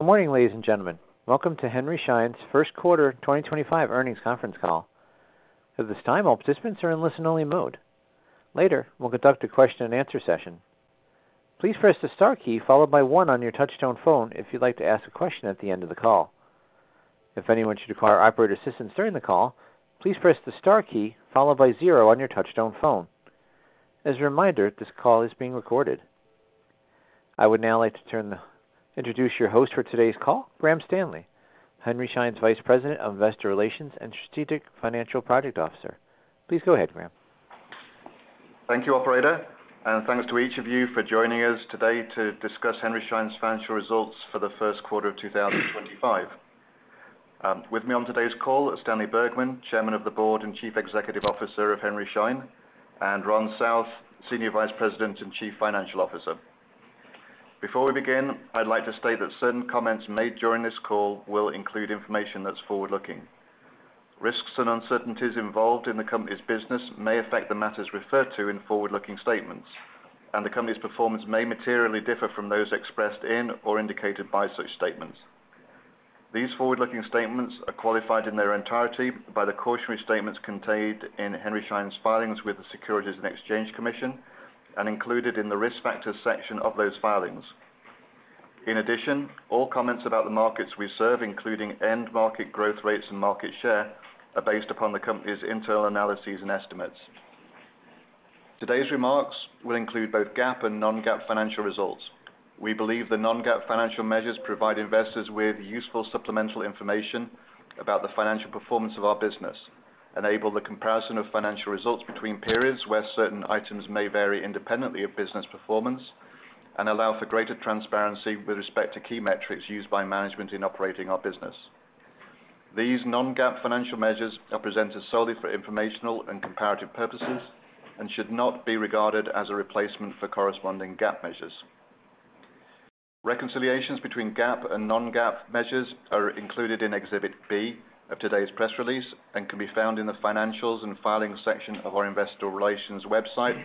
Good morning, ladies and gentlemen. Welcome to Henry Schein's first quarter 2025 earnings conference call. At this time, all participants are in listen-only mode. Later, we'll conduct a question-and-answer session. Please press the star key followed by one on your touchstone phone if you'd like to ask a question at the end of the call. If anyone should require operator assistance during the call, please press the star key followed by zero on your touchstone phone. As a reminder, this call is being recorded. I would now like to introduce your host for today's call, Graham Stanley, Henry Schein's Vice President of Investor Relations and Strategic Financial Project Officer. Please go ahead, Graham. Thank you, Alfredo. Thank you to each of you for joining us today to discuss Henry Schein's financial results for the first quarter of 2025. With me on today's call are Stanley Bergman, Chairman of the Board and Chief Executive Officer of Henry Schein, and Ron South, Senior Vice President and Chief Financial Officer. Before we begin, I'd like to state that certain comments made during this call will include information that's forward-looking. Risks and uncertainties involved in the company's business may affect the matters referred to in forward-looking statements, and the company's performance may materially differ from those expressed in or indicated by such statements. These forward-looking statements are qualified in their entirety by the cautionary statements contained in Henry Schein's filings with the Securities and Exchange Commission and included in the risk factors section of those filings. In addition, all comments about the markets we serve, including end market growth rates and market share, are based upon the company's internal analyses and estimates. Today's remarks will include both GAAP and non-GAAP financial results. We believe the non-GAAP financial measures provide investors with useful supplemental information about the financial performance of our business, enable the comparison of financial results between periods where certain items may vary independently of business performance, and allow for greater transparency with respect to key metrics used by management in operating our business. These non-GAAP financial measures are presented solely for informational and comparative purposes and should not be regarded as a replacement for corresponding GAAP measures. Reconciliations between GAAP and non-GAAP measures are included in Exhibit B of today's press release and can be found in the financials and filings section of our Investor Relations website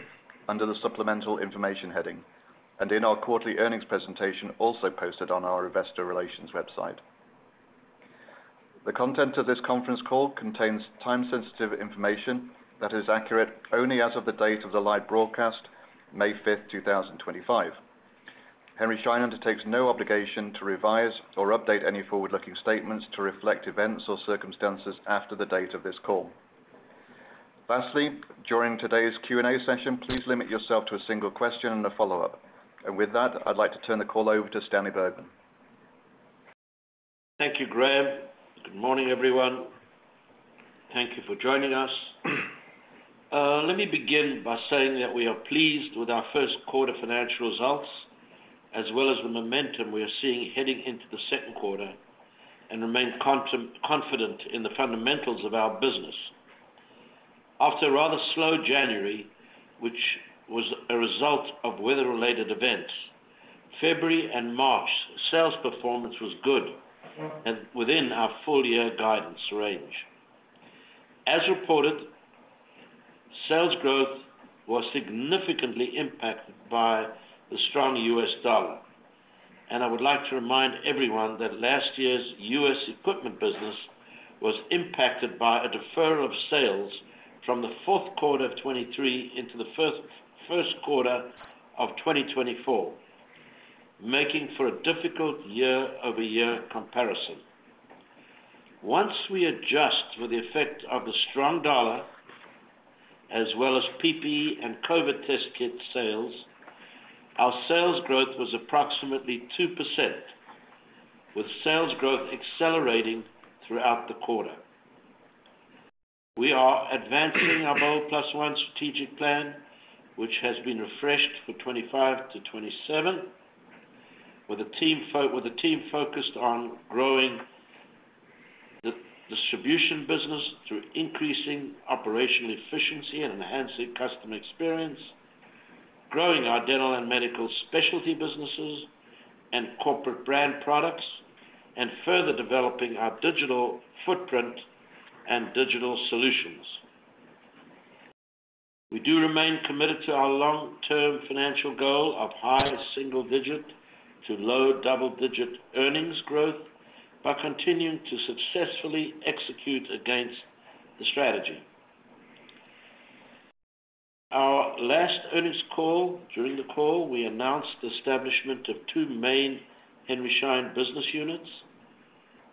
under the Supplemental Information heading, and in our quarterly earnings presentation also posted on our Investor Relations website. The content of this conference call contains time-sensitive information that is accurate only as of the date of the live broadcast, May 5th, 2025. Henry Schein undertakes no obligation to revise or update any forward-looking statements to reflect events or circumstances after the date of this call. Lastly, during today's Q&A session, please limit yourself to a single question and a follow-up. With that, I'd like to turn the call over to Stanley Bergman. Thank you, Graham. Good morning, everyone. Thank you for joining us. Let me begin by saying that we are pleased with our first quarter financial results, as well as the momentum we are seeing heading into the second quarter, and remain confident in the fundamentals of our business. After a rather slow January, which was a result of weather-related events, February and March sales performance was good and within our full-year guidance range. As reported, sales growth was significantly impacted by the strong US dollar. I would like to remind everyone that last year's US equipment business was impacted by a deferral of sales from the fourth quarter of 2023 into the first quarter of 2024, making for a difficult year-over-year comparison. Once we adjust for the effect of the strong dollar, as well as PPE and COVID test kit sales, our sales growth was approximately 2%, with sales growth accelerating throughout the quarter. We are advancing our Bold Plus One strategic plan, which has been refreshed for 2025 to 2027, with a team focused on growing the distribution business through increasing operational efficiency and enhancing customer experience. Growing our dental and medical specialty businesses and corporate brand products, and further developing our digital footprint and digital solutions. We do remain committed to our long-term financial goal of high single-digit to low double-digit earnings growth by continuing to successfully execute against the strategy. Our last earnings call, during the call, we announced the establishment of two main Henry Schein business units,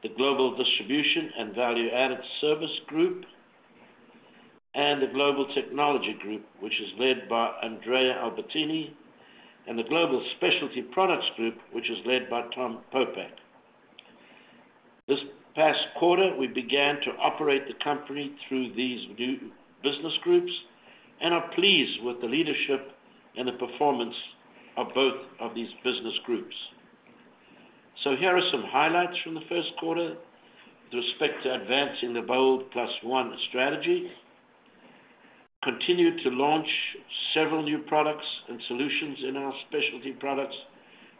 the Global Distribution and Value Added Service Group and the Global Technology Group, which is led by Andrea Albertini, and the Global Specialty Products Group, which is led by Tom Popeck. This past quarter, we began to operate the company through these new business groups and are pleased with the leadership and the performance of both of these business groups. Here are some highlights from the first quarter with respect to advancing the Bold Plus One strategy. Continued to launch several new products and solutions in our specialty products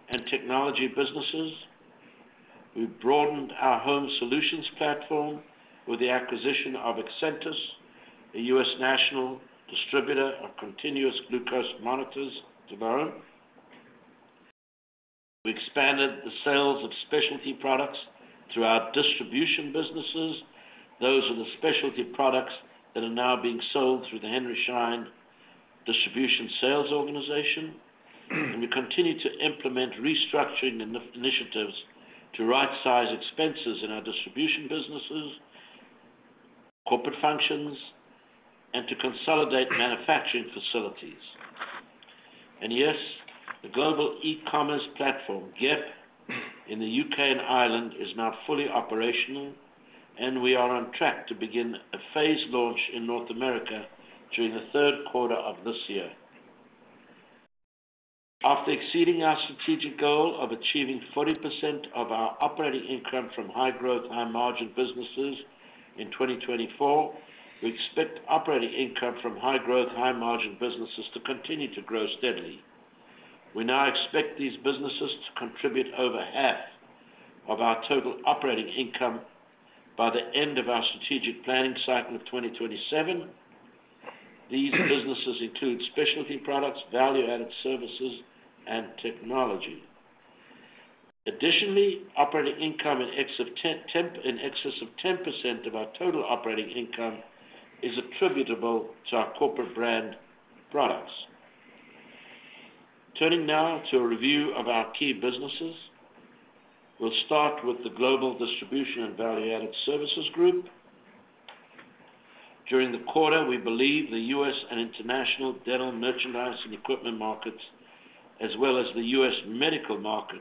and technology businesses. We broadened our home solutions platform with the acquisition of Accentus, a US national distributor of continuous glucose monitors to our own. We expanded the sales of specialty products through our distribution businesses, those are the specialty products that are now being sold through the Henry Schein Distribution Sales Organization. We continue to implement restructuring initiatives to right-size expenses in our distribution businesses, corporate functions, and to consolidate manufacturing facilities. The global e-commerce platform, GEP, in the U.K. and Ireland is now fully operational, and we are on track to begin a phased launch in North America during the third quarter of this year. After exceeding our strategic goal of achieving 40% of our operating income from high-growth, high-margin businesses in 2024, we expect operating income from high-growth, high-margin businesses to continue to grow steadily. We now expect these businesses to contribute over half of our total operating income by the end of our strategic planning cycle of 2027. These businesses include specialty products, value-added services, and technology. Additionally, operating income in excess of 10% of our total operating income is attributable to our corporate brand products. Turning now to a review of our key businesses, we'll start with the Global Distribution and Value Added Services Group. During the quarter, we believe the U.S. and international dental merchandise and equipment markets, as well as the U.S. medical market,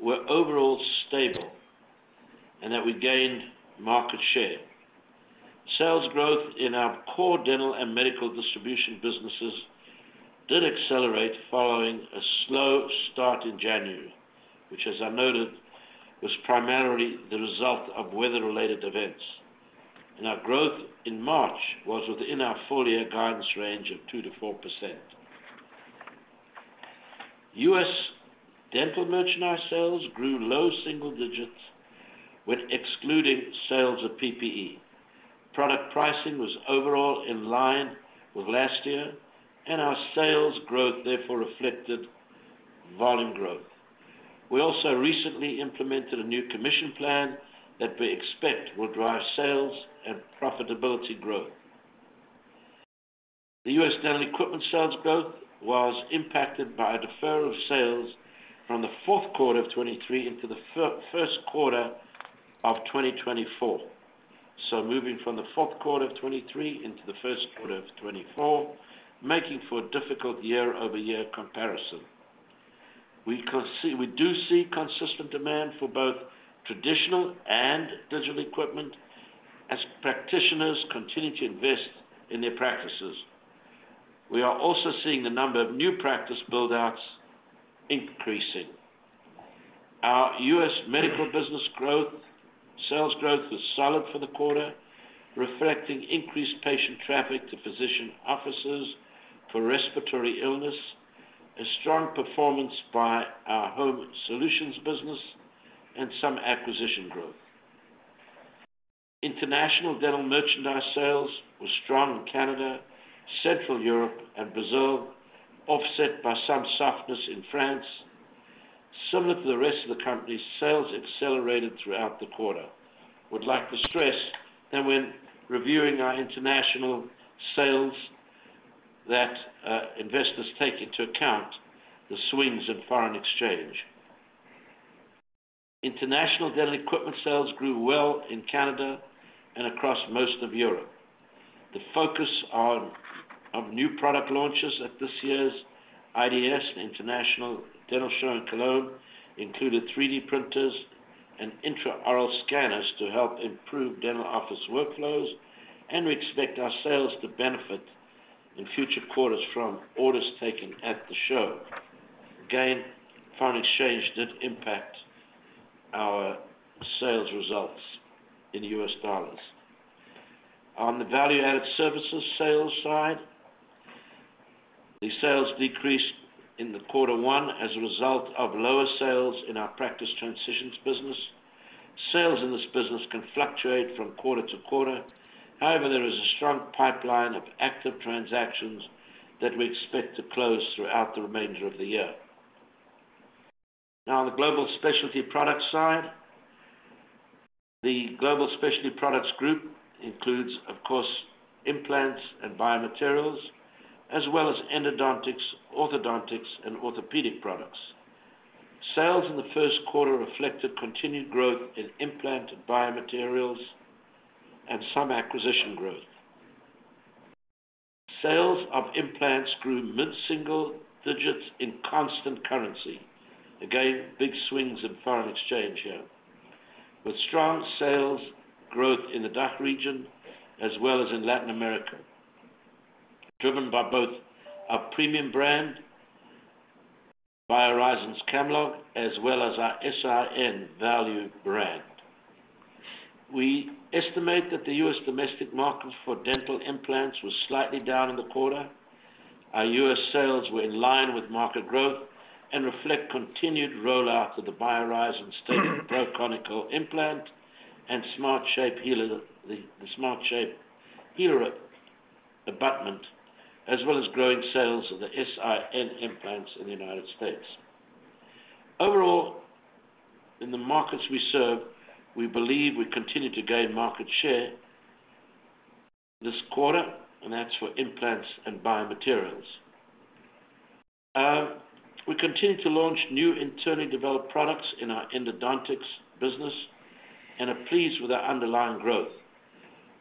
were overall stable and that we gained market share. Sales growth in our core dental and medical distribution businesses did accelerate following a slow start in January, which, as I noted, was primarily the result of weather-related events. Our growth in March was within our full-year guidance range of 2-4%. U.S. dental merchandise sales grew low single digits when excluding sales of PPE. Product pricing was overall in line with last year, and our sales growth therefore reflected volume growth. We also recently implemented a new commission plan that we expect will drive sales and profitability growth. The US dental equipment sales growth was impacted by a deferral of sales from the fourth quarter of 2023 into the first quarter of 2024. Moving from the fourth quarter of 2023 into the first quarter of 2024 made for a difficult year-over-year comparison. We do see consistent demand for both traditional and digital equipment as practitioners continue to invest in their practices. We are also seeing the number of new practice build-outs increasing. Our US medical business growth, sales growth was solid for the quarter, reflecting increased patient traffic to physician offices for respiratory illness, a strong performance by our home solutions business, and some acquisition growth. International dental merchandise sales were strong in Canada, Central Europe, and Brazil, offset by some softness in France. Similar to the rest of the company, sales accelerated throughout the quarter. We'd like to stress that when reviewing our international sales, that investors take into account the swings in foreign exchange. International dental equipment sales grew well in Canada and across most of Europe. The focus on new product launches at this year's IDS, the International Dental Show in Cologne, included 3D printers and intraoral scanners to help improve dental office workflows, and we expect our sales to benefit in future quarters from orders taken at the show. Again, foreign exchange did impact our sales results in US dollars. On the value-added services sales side, the sales decreased in the quarter one as a result of lower sales in our practice transitions business. Sales in this business can fluctuate from quarter to quarter. However, there is a strong pipeline of active transactions that we expect to close throughout the remainder of the year. Now, on the global specialty product side, the Global Specialty Products Group includes, of course, implants and biomaterials, as well as endodontics, orthodontics, and orthopedic products. Sales in the first quarter reflected continued growth in implant and biomaterials and some acquisition growth. Sales of implants grew mid-single digits in constant currency. Again, big swings in foreign exchange here, with strong sales growth in the DACH region, as well as in Latin America, driven by both our premium brand, BioHorizons, as well as our SIN value brand. We estimate that the US domestic market for dental implants was slightly down in the quarter. Our US sales were in line with market growth and reflect continued rollout of the Biorizon Tapered Proconical Implant and SmartShape Healer Abutment, as well as growing sales of the SIN Implants in the United States. Overall, in the markets we serve, we believe we continue to gain market share this quarter, and that's for implants and biomaterials. We continue to launch new internally developed products in our endodontics business and are pleased with our underlying growth.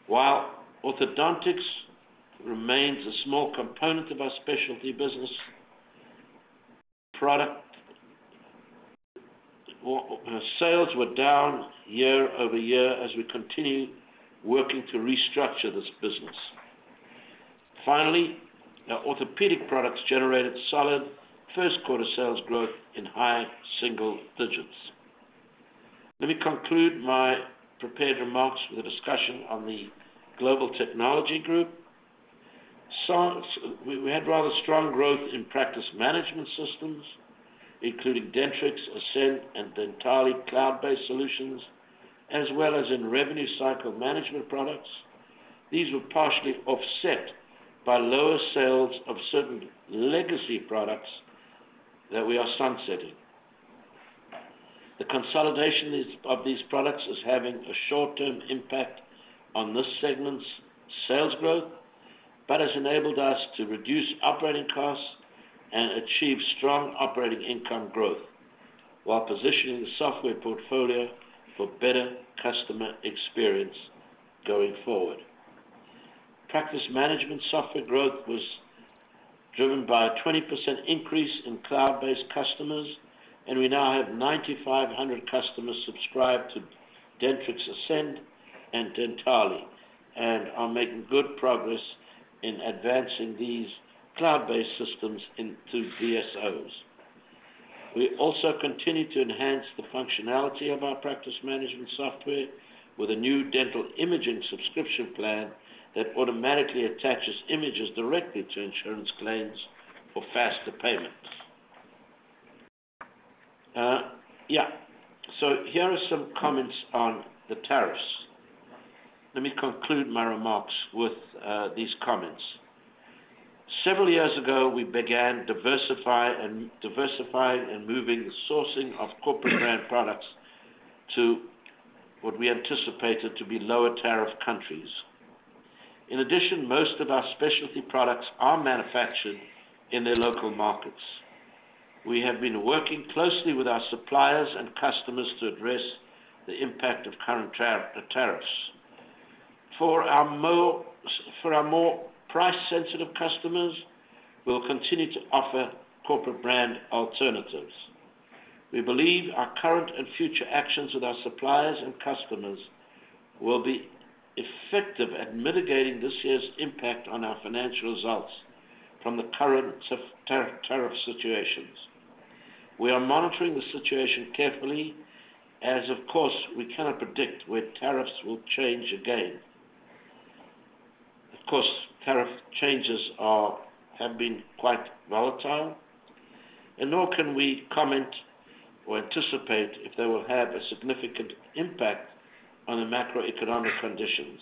While orthodontics remains a small component of our specialty business, sales were down year over year as we continue working to restructure this business. Finally, our orthopedic products generated solid first-quarter sales growth in high single digits. Let me conclude my prepared remarks with a discussion on the Global Technology Group. We had rather strong growth in practice management systems, including Dentrix, Ascent, and Dentalli cloud-based solutions, as well as in revenue cycle management products. These were partially offset by lower sales of certain legacy products that we are sunsetting. The consolidation of these products is having a short-term impact on this segment's sales growth, but has enabled us to reduce operating costs and achieve strong operating income growth while positioning the software portfolio for better customer experience going forward. Practice management software growth was driven by a 20% increase in cloud-based customers, and we now have 9,500 customers subscribed to Dentrix, Ascent, and Dentalli, and are making good progress in advancing these cloud-based systems into DSOs. We also continue to enhance the functionality of our practice management software with a new dental imaging subscription plan that automatically attaches images directly to insurance claims for faster payments. Yeah. Here are some comments on the tariffs. Let me conclude my remarks with these comments. Several years ago, we began diversifying and moving the sourcing of corporate brand products to what we anticipated to be lower tariff countries. In addition, most of our specialty products are manufactured in their local markets. We have been working closely with our suppliers and customers to address the impact of current tariffs. For our more price-sensitive customers, we'll continue to offer corporate brand alternatives. We believe our current and future actions with our suppliers and customers will be effective at mitigating this year's impact on our financial results from the current tariff situations. We are monitoring the situation carefully as, of course, we cannot predict where tariffs will change again. Of course, tariff changes have been quite volatile, and nor can we comment or anticipate if they will have a significant impact on the macroeconomic conditions.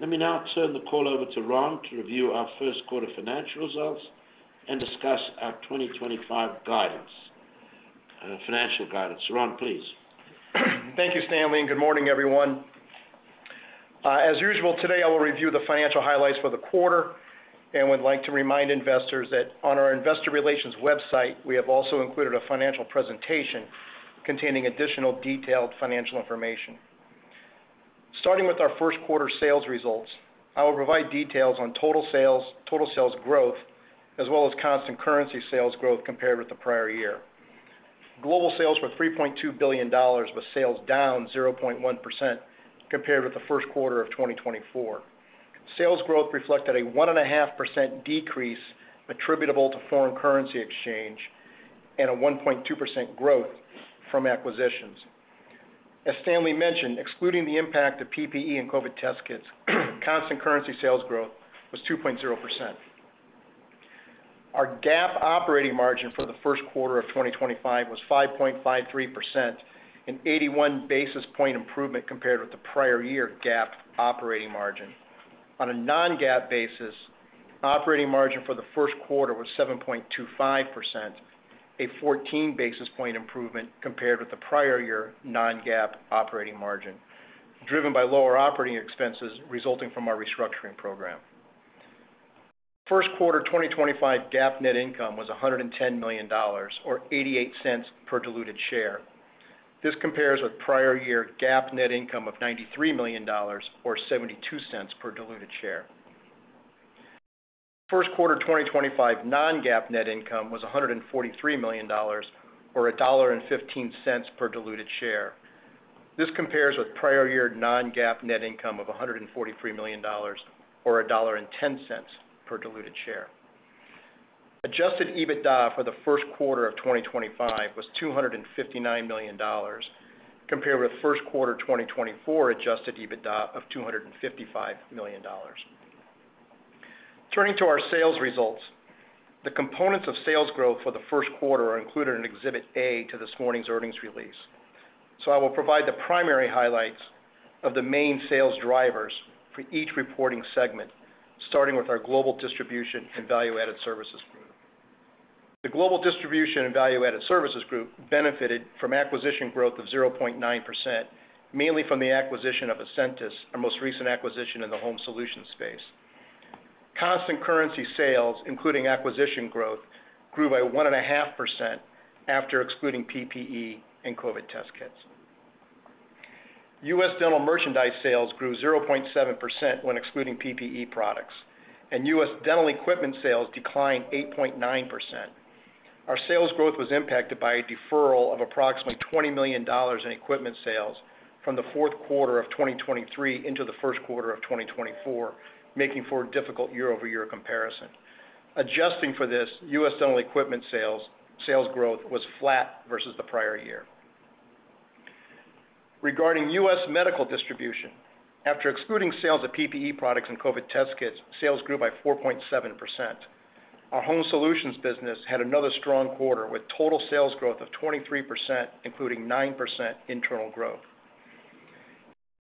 Let me now turn the call over to Ron to review our first quarter financial results and discuss our 2025 financial guidance. Ron, please. Thank you, Stanley. Good morning, everyone. As usual today, I will review the financial highlights for the quarter, and we'd like to remind investors that on our investor relations website, we have also included a financial presentation containing additional detailed financial information. Starting with our first quarter sales results, I will provide details on total sales growth, as well as constant currency sales growth compared with the prior year. Global sales were $3.2 billion, with sales down 0.1% compared with the first quarter of 2024. Sales growth reflected a 1.5% decrease attributable to foreign currency exchange and a 1.2% growth from acquisitions. As Stanley mentioned, excluding the impact of PPE and COVID test kits, constant currency sales growth was 2.0%. Our GAAP operating margin for the first quarter of 2025 was 5.53%, an 81 basis point improvement compared with the prior year GAAP operating margin. On a non-GAAP basis, operating margin for the first quarter was 7.25%, a 14 basis point improvement compared with the prior year non-GAAP operating margin, driven by lower operating expenses resulting from our restructuring program. First quarter 2025 GAAP net income was $110 million, or $0.88 per diluted share. This compares with prior year GAAP net income of $93 million, or $0.72 per diluted share. First quarter 2025 non-GAAP net income was $143 million, or $1.15 per diluted share. This compares with prior year non-GAAP net income of $143 million, or $1.10 per diluted share. Adjusted EBITDA for the first quarter of 2025 was $259 million, compared with first quarter 2024 adjusted EBITDA of $255 million. Turning to our sales results, the components of sales growth for the first quarter are included in Exhibit A to this morning's earnings release. I will provide the primary highlights of the main sales drivers for each reporting segment, starting with our Global Distribution and Value Added Services Group. The Global Distribution and Value Added Services Group benefited from acquisition growth of 0.9%, mainly from the acquisition of Ascent, our most recent acquisition in the home solution space. Constant currency sales, including acquisition growth, grew by 1.5% after excluding PPE and COVID test kits. US dental merchandise sales grew 0.7% when excluding PPE products, and US dental equipment sales declined 8.9%. Our sales growth was impacted by a deferral of approximately $20 million in equipment sales from the fourth quarter of 2023 into the first quarter of 2024, making for a difficult year-over-year comparison. Adjusting for this, US dental equipment sales growth was flat versus the prior year. Regarding US medical distribution, after excluding sales of PPE products and COVID test kits, sales grew by 4.7%. Our home solutions business had another strong quarter with total sales growth of 23%, including 9% internal growth.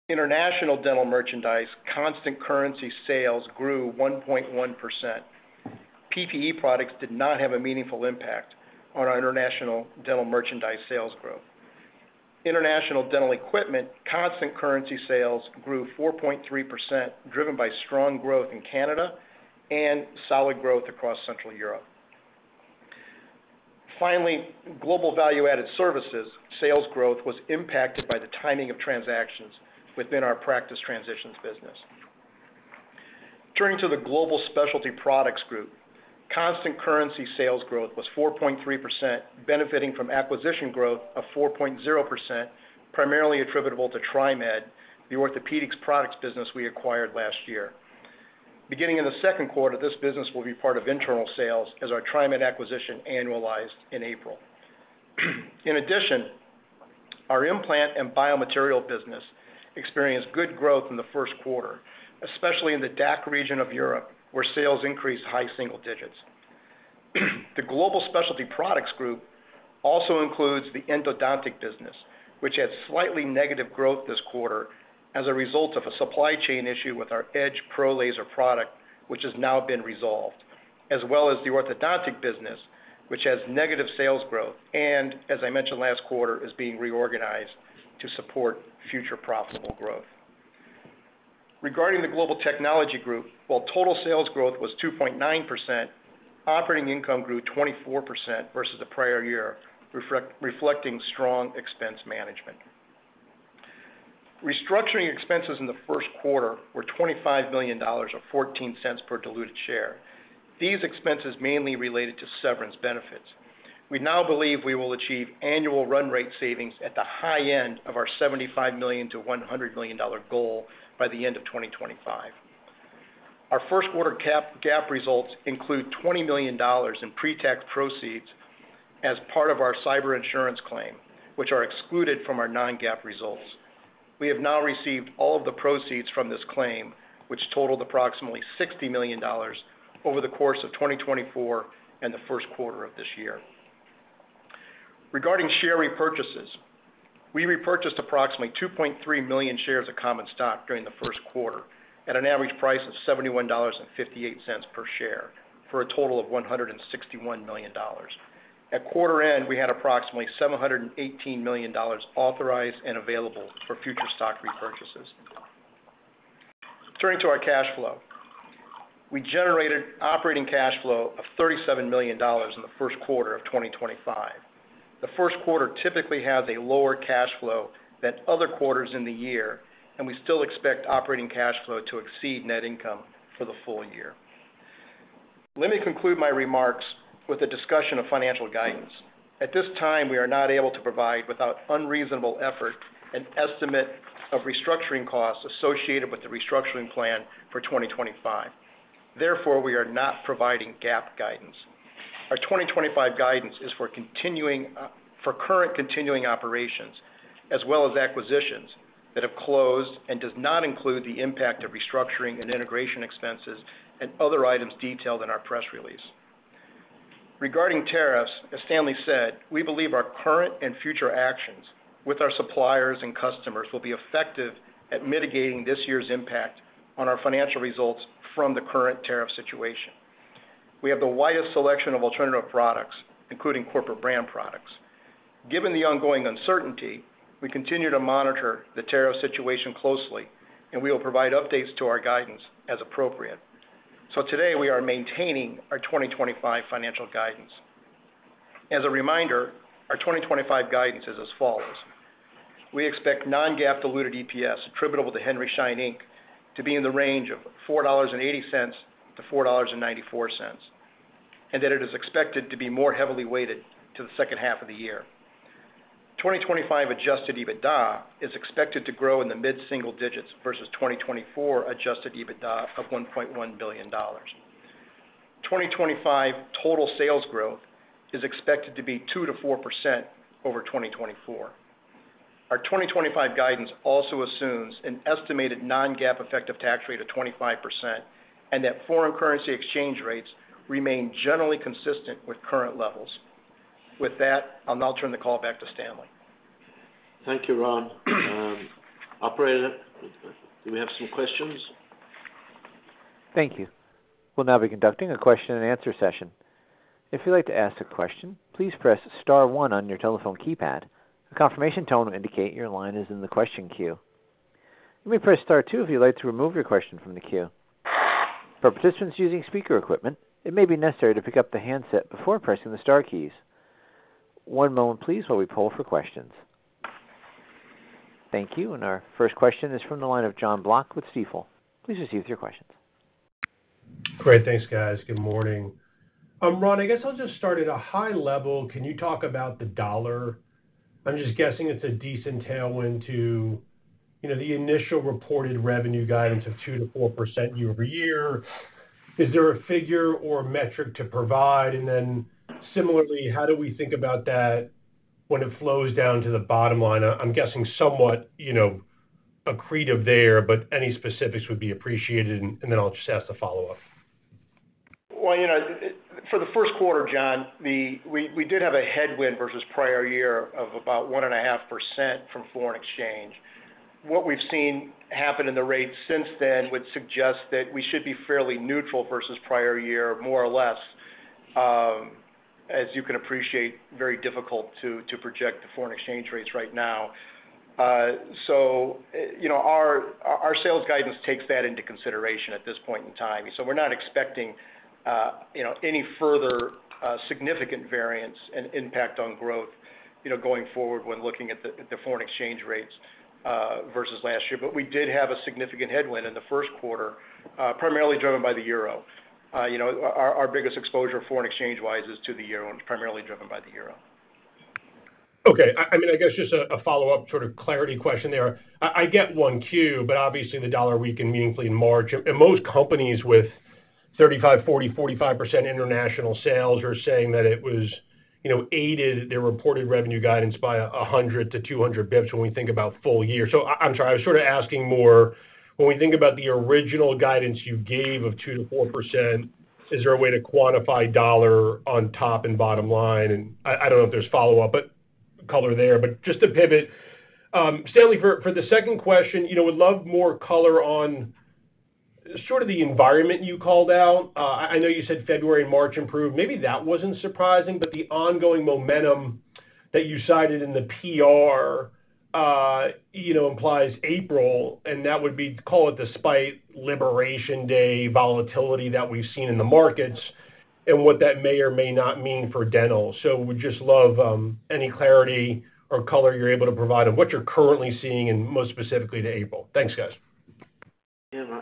International dental merchandise constant currency sales grew 1.1%. PPE products did not have a meaningful impact on our international dental merchandise sales growth. International dental equipment constant currency sales grew 4.3%, driven by strong growth in Canada and solid growth across Central Europe. Finally, global value-added services sales growth was impacted by the timing of transactions within our practice transitions business. Turning to the Global Specialty Products Group, constant currency sales growth was 4.3%, benefiting from acquisition growth of 4.0%, primarily attributable to TriMed, the orthopedics products business we acquired last year. Beginning in the second quarter, this business will be part of internal sales as our TriMed acquisition annualized in April. In addition, our implant and biomaterial business experienced good growth in the first quarter, especially in the DACH region of Europe, where sales increased high single digits. The Global Specialty Products Group also includes the endodontic business, which had slightly negative growth this quarter as a result of a supply chain issue with our Edge ProLaser product, which has now been resolved, as well as the orthodontic business, which has negative sales growth and, as I mentioned last quarter, is being reorganized to support future profitable growth. Regarding the Global Technology Group, while total sales growth was 2.9%, operating income grew 24% versus the prior year, reflecting strong expense management. Restructuring expenses in the first quarter were $25 million, or $0.14 per diluted share. These expenses mainly related to severance benefits. We now believe we will achieve annual run rate savings at the high end of our $75 million-$100 million goal by the end of 2025. Our first quarter GAAP results include $20 million in pre-tax proceeds as part of our cyber insurance claim, which are excluded from our non-GAAP results. We have now received all of the proceeds from this claim, which totaled approximately $60 million over the course of 2024 and the first quarter of this year. Regarding share repurchases, we repurchased approximately 2.3 million shares of common stock during the first quarter at an average price of $71.58 per share for a total of $161 million. At quarter end, we had approximately $718 million authorized and available for future stock repurchases. Turning to our cash flow, we generated operating cash flow of $37 million in the first quarter of 2025. The first quarter typically has a lower cash flow than other quarters in the year, and we still expect operating cash flow to exceed net income for the full year. Let me conclude my remarks with a discussion of financial guidance. At this time, we are not able to provide, without unreasonable effort, an estimate of restructuring costs associated with the restructuring plan for 2025. Therefore, we are not providing GAAP guidance. Our 2025 guidance is for current continuing operations, as well as acquisitions that have closed, and does not include the impact of restructuring and integration expenses and other items detailed in our press release. Regarding tariffs, as Stanley said, we believe our current and future actions with our suppliers and customers will be effective at mitigating this year's impact on our financial results from the current tariff situation. We have the widest selection of alternative products, including corporate brand products. Given the ongoing uncertainty, we continue to monitor the tariff situation closely, and we will provide updates to our guidance as appropriate. Today, we are maintaining our 2025 financial guidance. As a reminder, our 2025 guidance is as follows. We expect non-GAAP diluted EPS attributable to Henry Schein to be in the range of $4.80-$4.94, and that it is expected to be more heavily weighted to the second half of the year. 2025 adjusted EBITDA is expected to grow in the mid-single digits versus 2024 adjusted EBITDA of $1.1 billion. 2025 total sales growth is expected to be 2-4% over 2024. Our 2025 guidance also assumes an estimated non-GAAP effective tax rate of 25% and that foreign currency exchange rates remain generally consistent with current levels. With that, I'll now turn the call back to Stanley. Thank you, Ron. Operator, do we have some questions? Thank you. We'll now be conducting a question-and-answer session. If you'd like to ask a question, please press Star 1 on your telephone keypad. A confirmation tone will indicate your line is in the question queue. You may press Star 2 if you'd like to remove your question from the queue. For participants using speaker equipment, it may be necessary to pick up the handset before pressing the Star keys. One moment, please, while we pull for questions. Thank you. Our first question is from the line of John Block with Stifel. Please proceed with your questions. Great. Thanks, guys. Good morning. Ron, I guess I'll just start at a high level. Can you talk about the dollar? I'm just guessing it's a decent tailwind to the initial reported revenue guidance of 2-4% year over year. Is there a figure or metric to provide? Similarly, how do we think about that when it flows down to the bottom line? I'm guessing somewhat accretive there, but any specifics would be appreciated, and then I'll just ask the follow-up. For the first quarter, John, we did have a headwind versus prior year of about 1.5% from foreign exchange. What we've seen happen in the rate since then would suggest that we should be fairly neutral versus prior year, more or less. As you can appreciate, very difficult to project the foreign exchange rates right now. Our sales guidance takes that into consideration at this point in time. We are not expecting any further significant variance and impact on growth going forward when looking at the foreign exchange rates versus last year. We did have a significant headwind in the first quarter, primarily driven by the euro. Our biggest exposure foreign exchange-wise is to the euro, and it is primarily driven by the euro. Okay. I mean, I guess just a follow-up sort of clarity question there. I get one cue, but obviously, the dollar weakened meaningfully in March. Most companies with 35%, 40%, 45% international sales are saying that it has aided their reported revenue guidance by 100 to 200 basis points when we think about full year. I'm sorry, I was sort of asking more. When we think about the original guidance you gave of 2%-4%, is there a way to quantify dollar on top and bottom line? I don't know if there's follow-up, but color there. Just to pivot, Stanley, for the second question, would love more color on sort of the environment you called out. I know you said February and March improved. Maybe that was not surprising, but the ongoing momentum that you cited in the PR implies April, and that would be to call it the spite liberation day volatility that we have seen in the markets and what that may or may not mean for dental. We would just love any clarity or color you are able to provide on what you are currently seeing and most specifically to April. Thanks, guys. Yeah.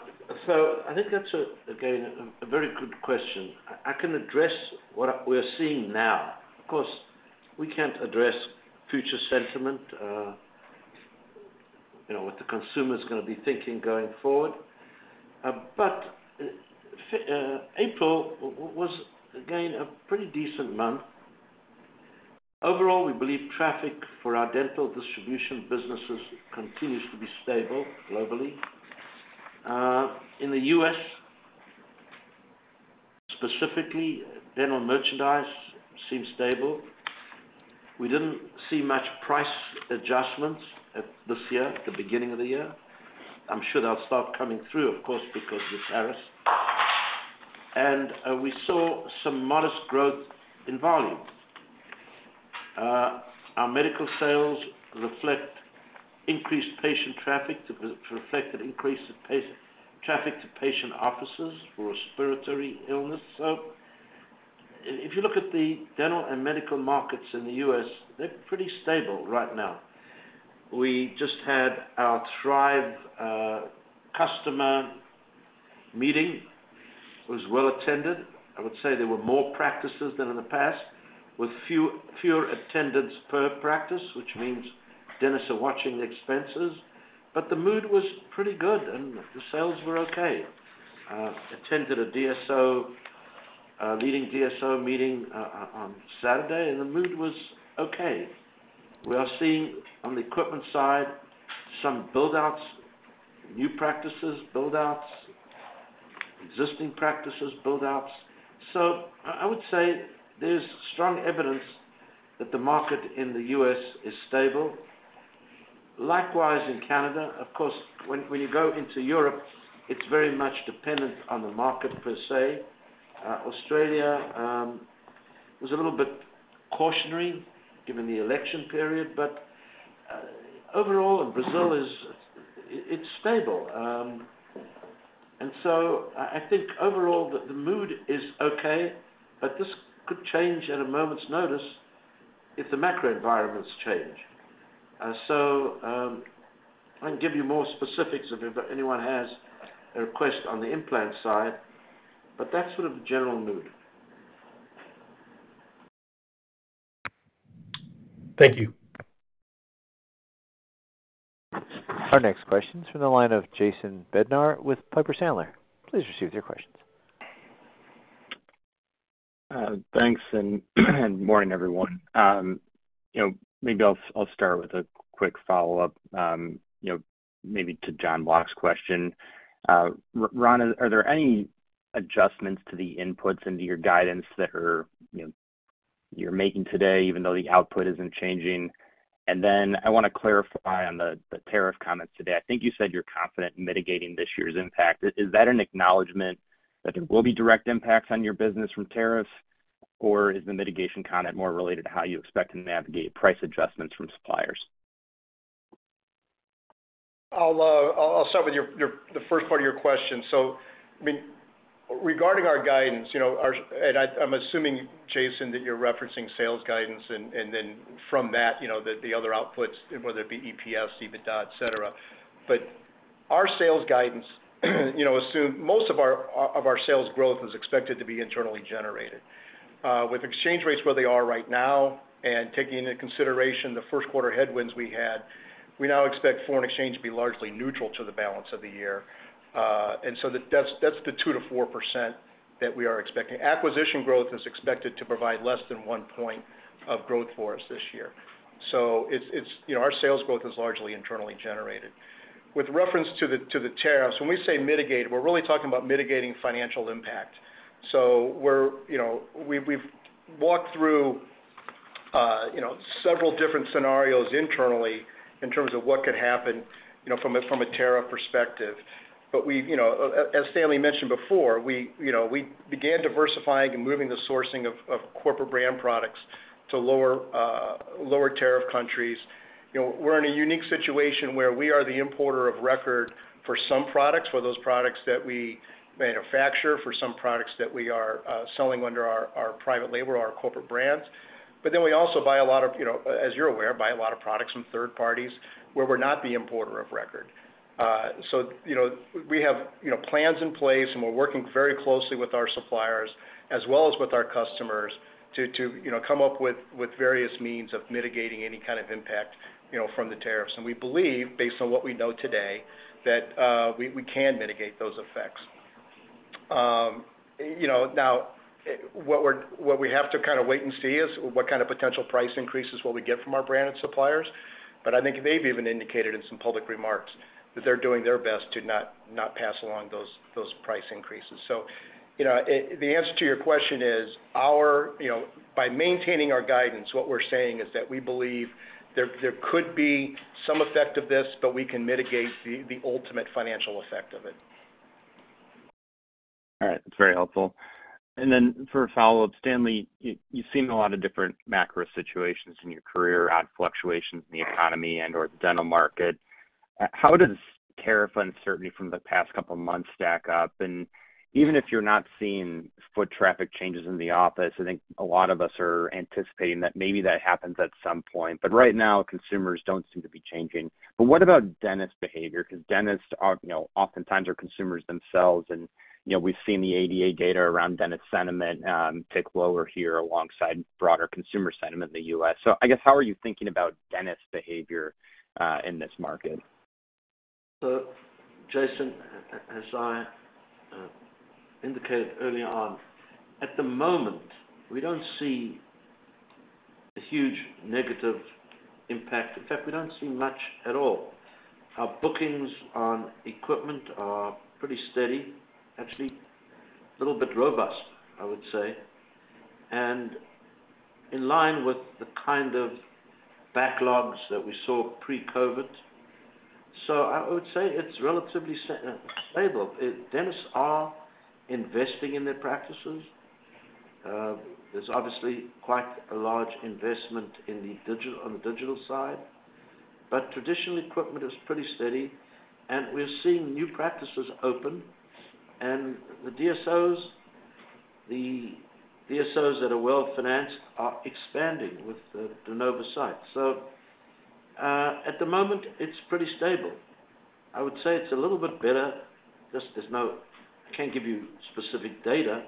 I think that is, again, a very good question. I can address what we are seeing now. Of course, we cannot address future sentiment, what the consumer is going to be thinking going forward. April was, again, a pretty decent month. Overall, we believe traffic for our dental distribution businesses continues to be stable globally. In the US, specifically, dental merchandise seems stable. We did not see much price adjustments this year, the beginning of the year. I'm sure they'll start coming through, of course, because of the tariffs. We saw some modest growth in volume. Our medical sales reflect increased patient traffic to reflect an increase in traffic to patient offices for respiratory illness. If you look at the dental and medical markets in the US, they're pretty stable right now. We just had our Thrive customer meeting. It was well attended. I would say there were more practices than in the past, with fewer attendance per practice, which means dentists are watching the expenses. The mood was pretty good, and the sales were okay. I attended a leading DSO meeting on Saturday, and the mood was okay. We are seeing on the equipment side some buildouts, new practices, buildouts, existing practices, buildouts. I would say there's strong evidence that the market in the US is stable. Likewise, in Canada, of course, when you go into Europe, it's very much dependent on the market per se. Australia was a little bit cautionary given the election period, but overall, in Brazil, it's stable. I think overall, the mood is okay, but this could change at a moment's notice if the macro environments change. I can give you more specifics if anyone has a request on the implant side, but that's sort of the general mood. Thank you. Our next question is from the line of Jason Bednar with Piper Sandler. Please proceed with your questions. Thanks. Morning, everyone. Maybe I'll start with a quick follow-up, maybe to John Block's question. Ron, are there any adjustments to the inputs into your guidance that you're making today, even though the output isn't changing? I want to clarify on the tariff comments today. I think you said you're confident mitigating this year's impact. Is that an acknowledgment that there will be direct impacts on your business from tariffs, or is the mitigation comment more related to how you expect to navigate price adjustments from suppliers? I'll start with the first part of your question. Regarding our guidance, and I'm assuming, Jason, that you're referencing sales guidance, and then from that, the other outputs, whether it be EPS, EBITDA, etc. Our sales guidance assumes most of our sales growth is expected to be internally generated. With exchange rates where they are right now and taking into consideration the first quarter headwinds we had, we now expect foreign exchange to be largely neutral to the balance of the year. That's the 2-4% that we are expecting. Acquisition growth is expected to provide less than one point of growth for us this year. Our sales growth is largely internally generated. With reference to the tariffs, when we say mitigate, we're really talking about mitigating financial impact. We have walked through several different scenarios internally in terms of what could happen from a tariff perspective. As Stanley mentioned before, we began diversifying and moving the sourcing of corporate brand products to lower tariff countries. We are in a unique situation where we are the importer of record for some products, for those products that we manufacture, for some products that we are selling under our private label or our corporate brands. We also buy a lot of, as you're aware, buy a lot of products from third parties where we're not the importer of record. We have plans in place, and we're working very closely with our suppliers as well as with our customers to come up with various means of mitigating any kind of impact from the tariffs. We believe, based on what we know today, that we can mitigate those effects. Now, what we have to kind of wait and see is what kind of potential price increases will we get from our branded suppliers. I think they've even indicated in some public remarks that they're doing their best to not pass along those price increases. The answer to your question is, by maintaining our guidance, what we're saying is that we believe there could be some effect of this, but we can mitigate the ultimate financial effect of it. All right. That's very helpful. For follow-up, Stanley, you've seen a lot of different macro situations in your career, odd fluctuations in the economy and/or the dental market. How does tariff uncertainty from the past couple of months stack up? Even if you're not seeing foot traffic changes in the office, I think a lot of us are anticipating that maybe that happens at some point. Right now, consumers don't seem to be changing. What about dentist behavior? Because dentists oftentimes are consumers themselves, and we've seen the ADA data around dentist sentiment tick lower here alongside broader consumer sentiment in the US. I guess, how are you thinking about dentist behavior in this market? Jason, as I indicated early on, at the moment, we don't see a huge negative impact. In fact, we don't see much at all. Our bookings on equipment are pretty steady, actually, a little bit robust, I would say, and in line with the kind of backlogs that we saw pre-COVID. I would say it's relatively stable. Dentists are investing in their practices. There's obviously quite a large investment on the digital side. Traditional equipment is pretty steady, and we're seeing new practices open. The DSOs, the DSOs that are well financed, are expanding with the DeNova site. At the moment, it's pretty stable. I would say it's a little bit better. I can't give you specific data,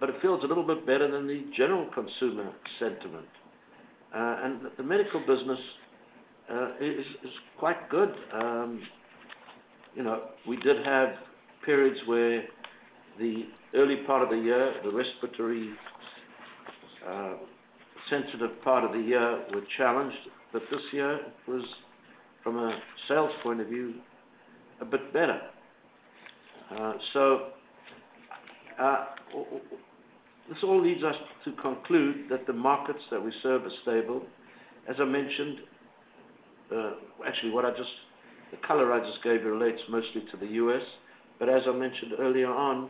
but it feels a little bit better than the general consumer sentiment. The medical business is quite good. We did have periods where the early part of the year, the respiratory sensitive part of the year, were challenged. This year was, from a sales point of view, a bit better. This all leads us to conclude that the markets that we serve are stable. As I mentioned, actually, the color I just gave relates mostly to the U.S. As I mentioned earlier on,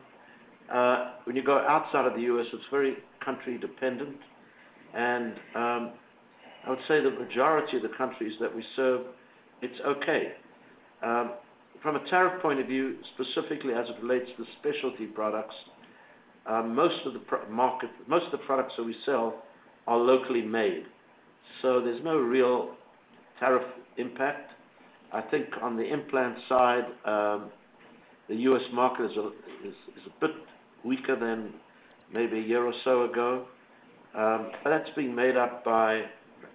when you go outside of the U.S., it is very country-dependent. I would say the majority of the countries that we serve, it is okay. From a tariff point of view, specifically as it relates to specialty products, most of the products that we sell are locally made. There is no real tariff impact. I think on the implant side, the U.S. market is a bit weaker than maybe a year or so ago. That is being made up by,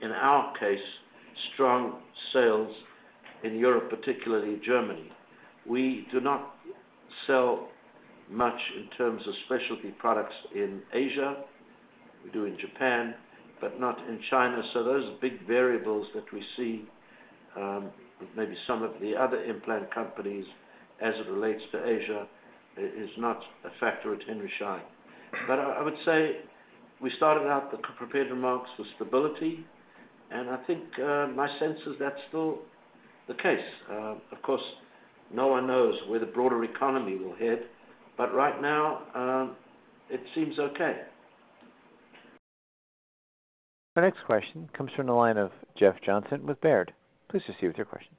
in our case, strong sales in Europe, particularly Germany. We do not sell much in terms of specialty products in Asia. We do in Japan, but not in China. Those big variables that we see with maybe some of the other implant companies as it relates to Asia is not a factor at Henry Schein. I would say we started out the prepared remarks with stability. I think my sense is that's still the case. Of course, no one knows where the broader economy will head, but right now, it seems okay. Our next question comes from the line of Jeff Johnson with Baird. Please proceed with your questions.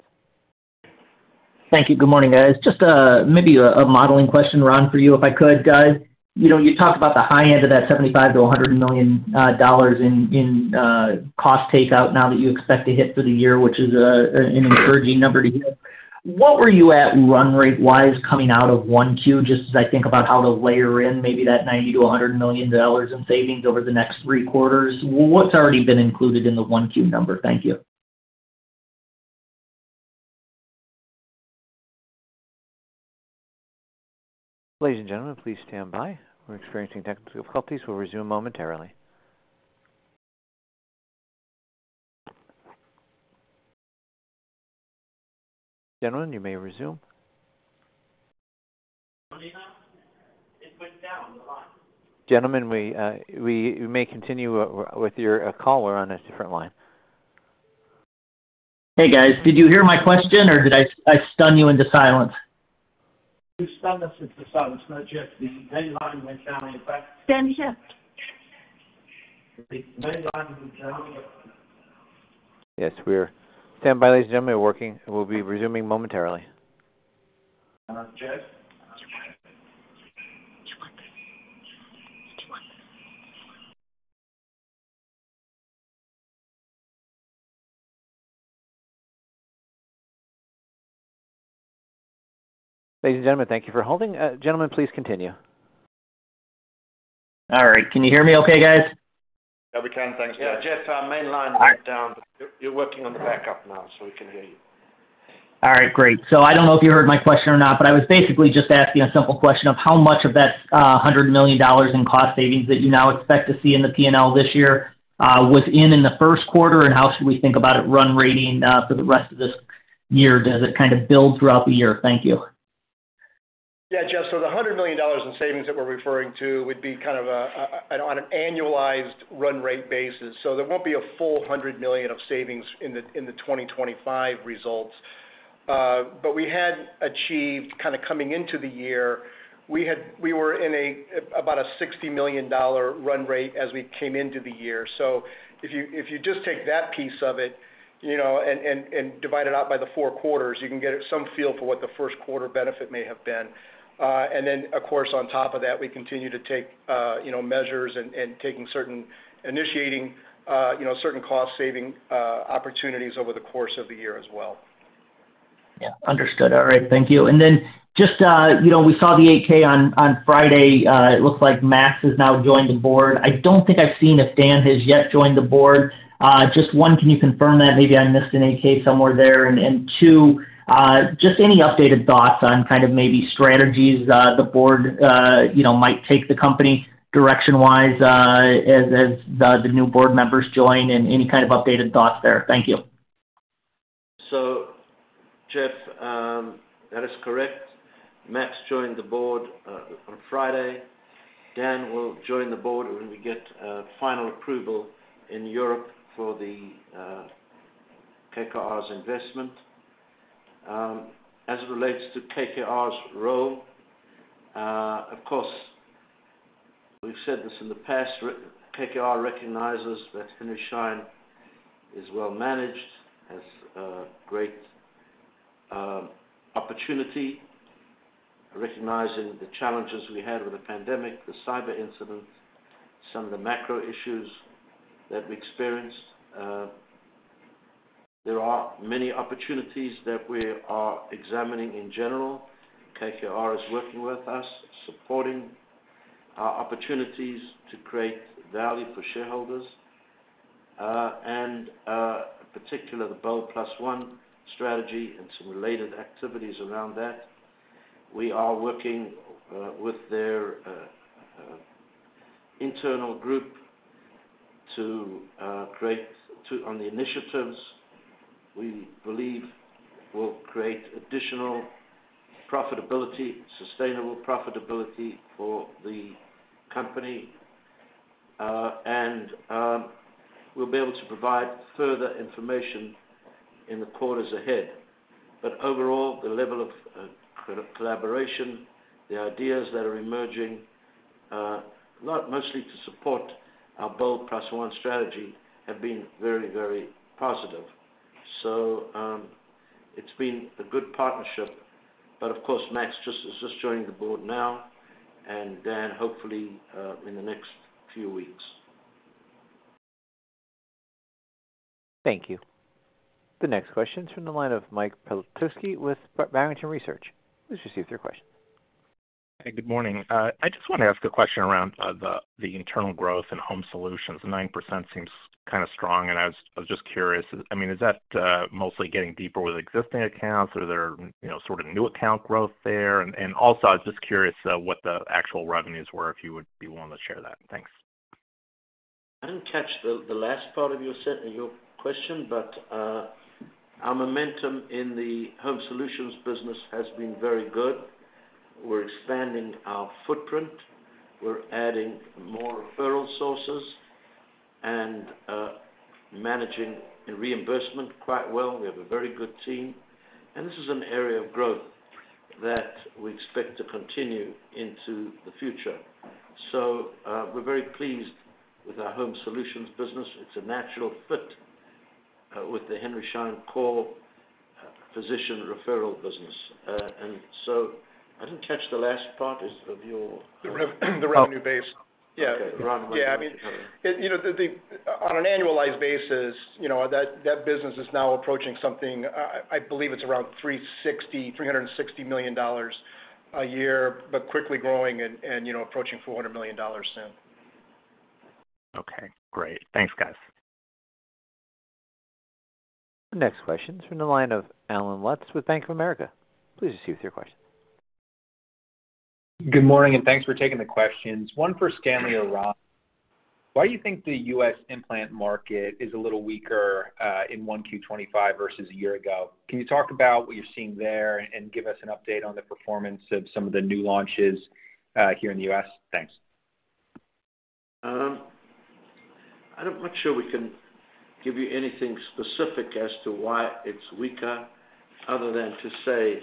Thank you. Good morning, guys. Just maybe a modeling question, Ron, for you if I could, guys. You talked about the high end of that $75 to $100 million in cost takeout now that you expect to hit for the year, which is an encouraging number to hear. What were you at run rate-wise coming out of one Q, just as I think about how to layer in maybe that $90 to $100 million in savings over the next three quarters? What's already been included in the one Q number? Thank you. Ladies and gentlemen, please stand by. We're experiencing technical difficulties. We'll resume momentarily. Gentlemen, you may resume. Gentlemen, we may continue with your call. We're on a different line. Hey, guys. Did you hear my question, or did I stun you into silence? You stunned us into silence, not Jeff. The main line went down. In fact. Yes, we're stand by, ladies and gentlemen. We're working. We'll be resuming momentarily. Ladies and gentlemen, thank you for holding. Gentlemen, please continue. All right. Can you hear me okay, guys? Yeah, we can. Thanks for that. Yeah, Jeff, main line went down. You're working on the backup now, so we can hear you. All right. Great. I don't know if you heard my question or not, but I was basically just asking a simple question of how much of that $100 million in cost savings that you now expect to see in the P&L this year was in the first quarter, and how should we think about it run rating for the rest of this year? Does it kind of build throughout the year? Thank you. Yeah, Jeff. The $100 million in savings that we're referring to would be kind of on an annualized run rate basis. There won't be a full $100 million of savings in the 2025 results. We had achieved, coming into the year, we were in about a $60 million run rate as we came into the year. If you just take that piece of it and divide it out by the four quarters, you can get some feel for what the first quarter benefit may have been. Of course, on top of that, we continue to take measures and initiating certain cost saving opportunities over the course of the year as well. Yeah. Understood. All right. Thank you. Just, we saw the 8-K on Friday. It looks like Max has now joined the board. I do not think I have seen if Dan has yet joined the board. Just one, can you confirm that? Maybe I missed an 8-K somewhere there. Two, any updated thoughts on kind of maybe strategies the board might take the company direction-wise as the new board members join and any kind of updated thoughts there? Thank you. Jeff, that is correct. Max joined the board on Friday. Dan will join the board when we get final approval in Europe for KKR's investment. As it relates to KKR's role, of course, we've said this in the past, KKR recognizes that Henry Schein is well managed as a great opportunity, recognizing the challenges we had with the pandemic, the cyber incident, some of the macro issues that we experienced. There are many opportunities that we are examining in general. KKR is working with us, supporting our opportunities to create value for shareholders, and particularly the Bold Plus One strategy and some related activities around that. We are working with their internal group to create on the initiatives we believe will create additional profitability, sustainable profitability for the company. We will be able to provide further information in the quarters ahead. Overall, the level of collaboration, the ideas that are emerging, mostly to support our Bold Plus One strategy, have been very, very positive. It has been a good partnership. Max is just joining the board now, and Dan, hopefully, in the next few weeks. Thank you. The next question is from the line of Mike Peletoski with Barrington Research. Please proceed with your question. Hey, good morning. I just wanted to ask a question around the internal growth in home solutions. The 9% seems kind of strong, and I was just curious. I mean, is that mostly getting deeper with existing accounts, or is there sort of new account growth there? I was just curious what the actual revenues were, if you would be willing to share that. Thanks. I didn't catch the last part of your question, but our momentum in the home solutions business has been very good. We're expanding our footprint. We're adding more referral sources and managing reimbursement quite well. We have a very good team. This is an area of growth that we expect to continue into the future. We're very pleased with our home solutions business. It's a natural fit with the Henry Schein Core Physician Referral business. I didn't catch the last part of your question. The revenue base. Yeah. Okay. Ron, why don't you? Yeah. I mean, on an annualized basis, that business is now approaching something I believe it's around $360 million a year, but quickly growing and approaching $400 million soon. Okay. Great. Thanks, guys. The next question is from the line of Allen Lutz with Bank of America. Please proceed with your question. Good morning, and thanks for taking the questions. One for Stanley or Ron. Why do you think the US implant market is a little weaker in Q1 2025 versus a year ago? Can you talk about what you're seeing there and give us an update on the performance of some of the new launches here in the US? Thanks. I'm not sure we can give you anything specific as to why it's weaker other than to say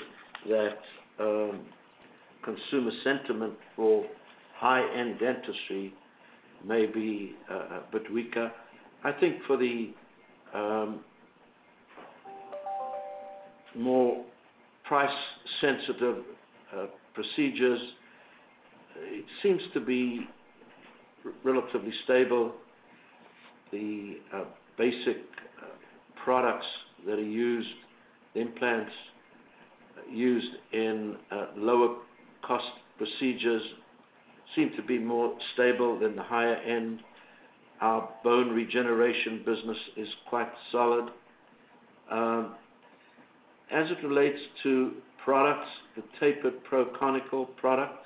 that consumer sentiment for high-end dentistry may be a bit weaker. I think for the more price-sensitive procedures, it seems to be relatively stable. The basic products that are used, the implants used in lower-cost procedures, seem to be more stable than the higher-end. Our bone regeneration business is quite solid. As it relates to products, the Tapered Proconical product,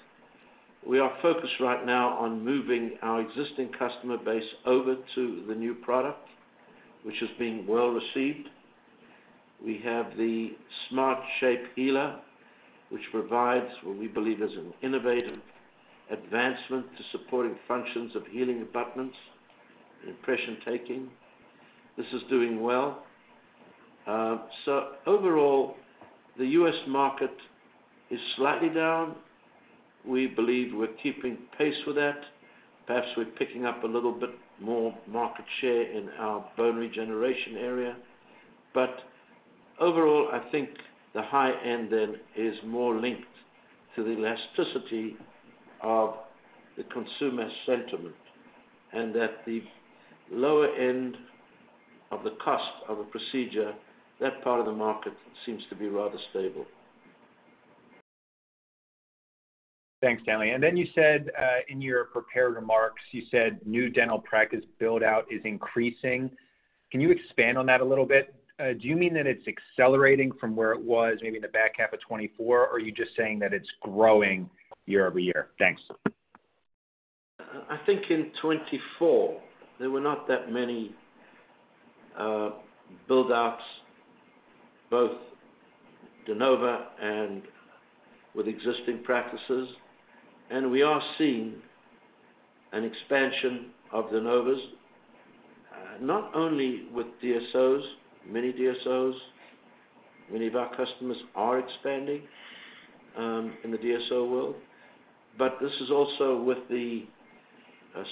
we are focused right now on moving our existing customer base over to the new product, which has been well received. We have the SmartShape Healer, which provides what we believe is an innovative advancement to supporting functions of healing abutments and impression taking. This is doing well. Overall, the U.S. market is slightly down. We believe we're keeping pace with that. Perhaps we're picking up a little bit more market share in our bone regeneration area. Overall, I think the high-end then is more linked to the elasticity of the consumer sentiment and that the lower end of the cost of a procedure, that part of the market seems to be rather stable. Thanks, Stanley. You said in your prepared remarks, you said new dental practice build-out is increasing. Can you expand on that a little bit? Do you mean that it's accelerating from where it was maybe in the back half of 2024, or are you just saying that it's growing year over year? Thanks. I think in 2024, there were not that many build-outs, both DeNova and with existing practices. We are seeing an expansion of DeNova's, not only with DSOs, many DSOs. Many of our customers are expanding in the DSO world. This is also with the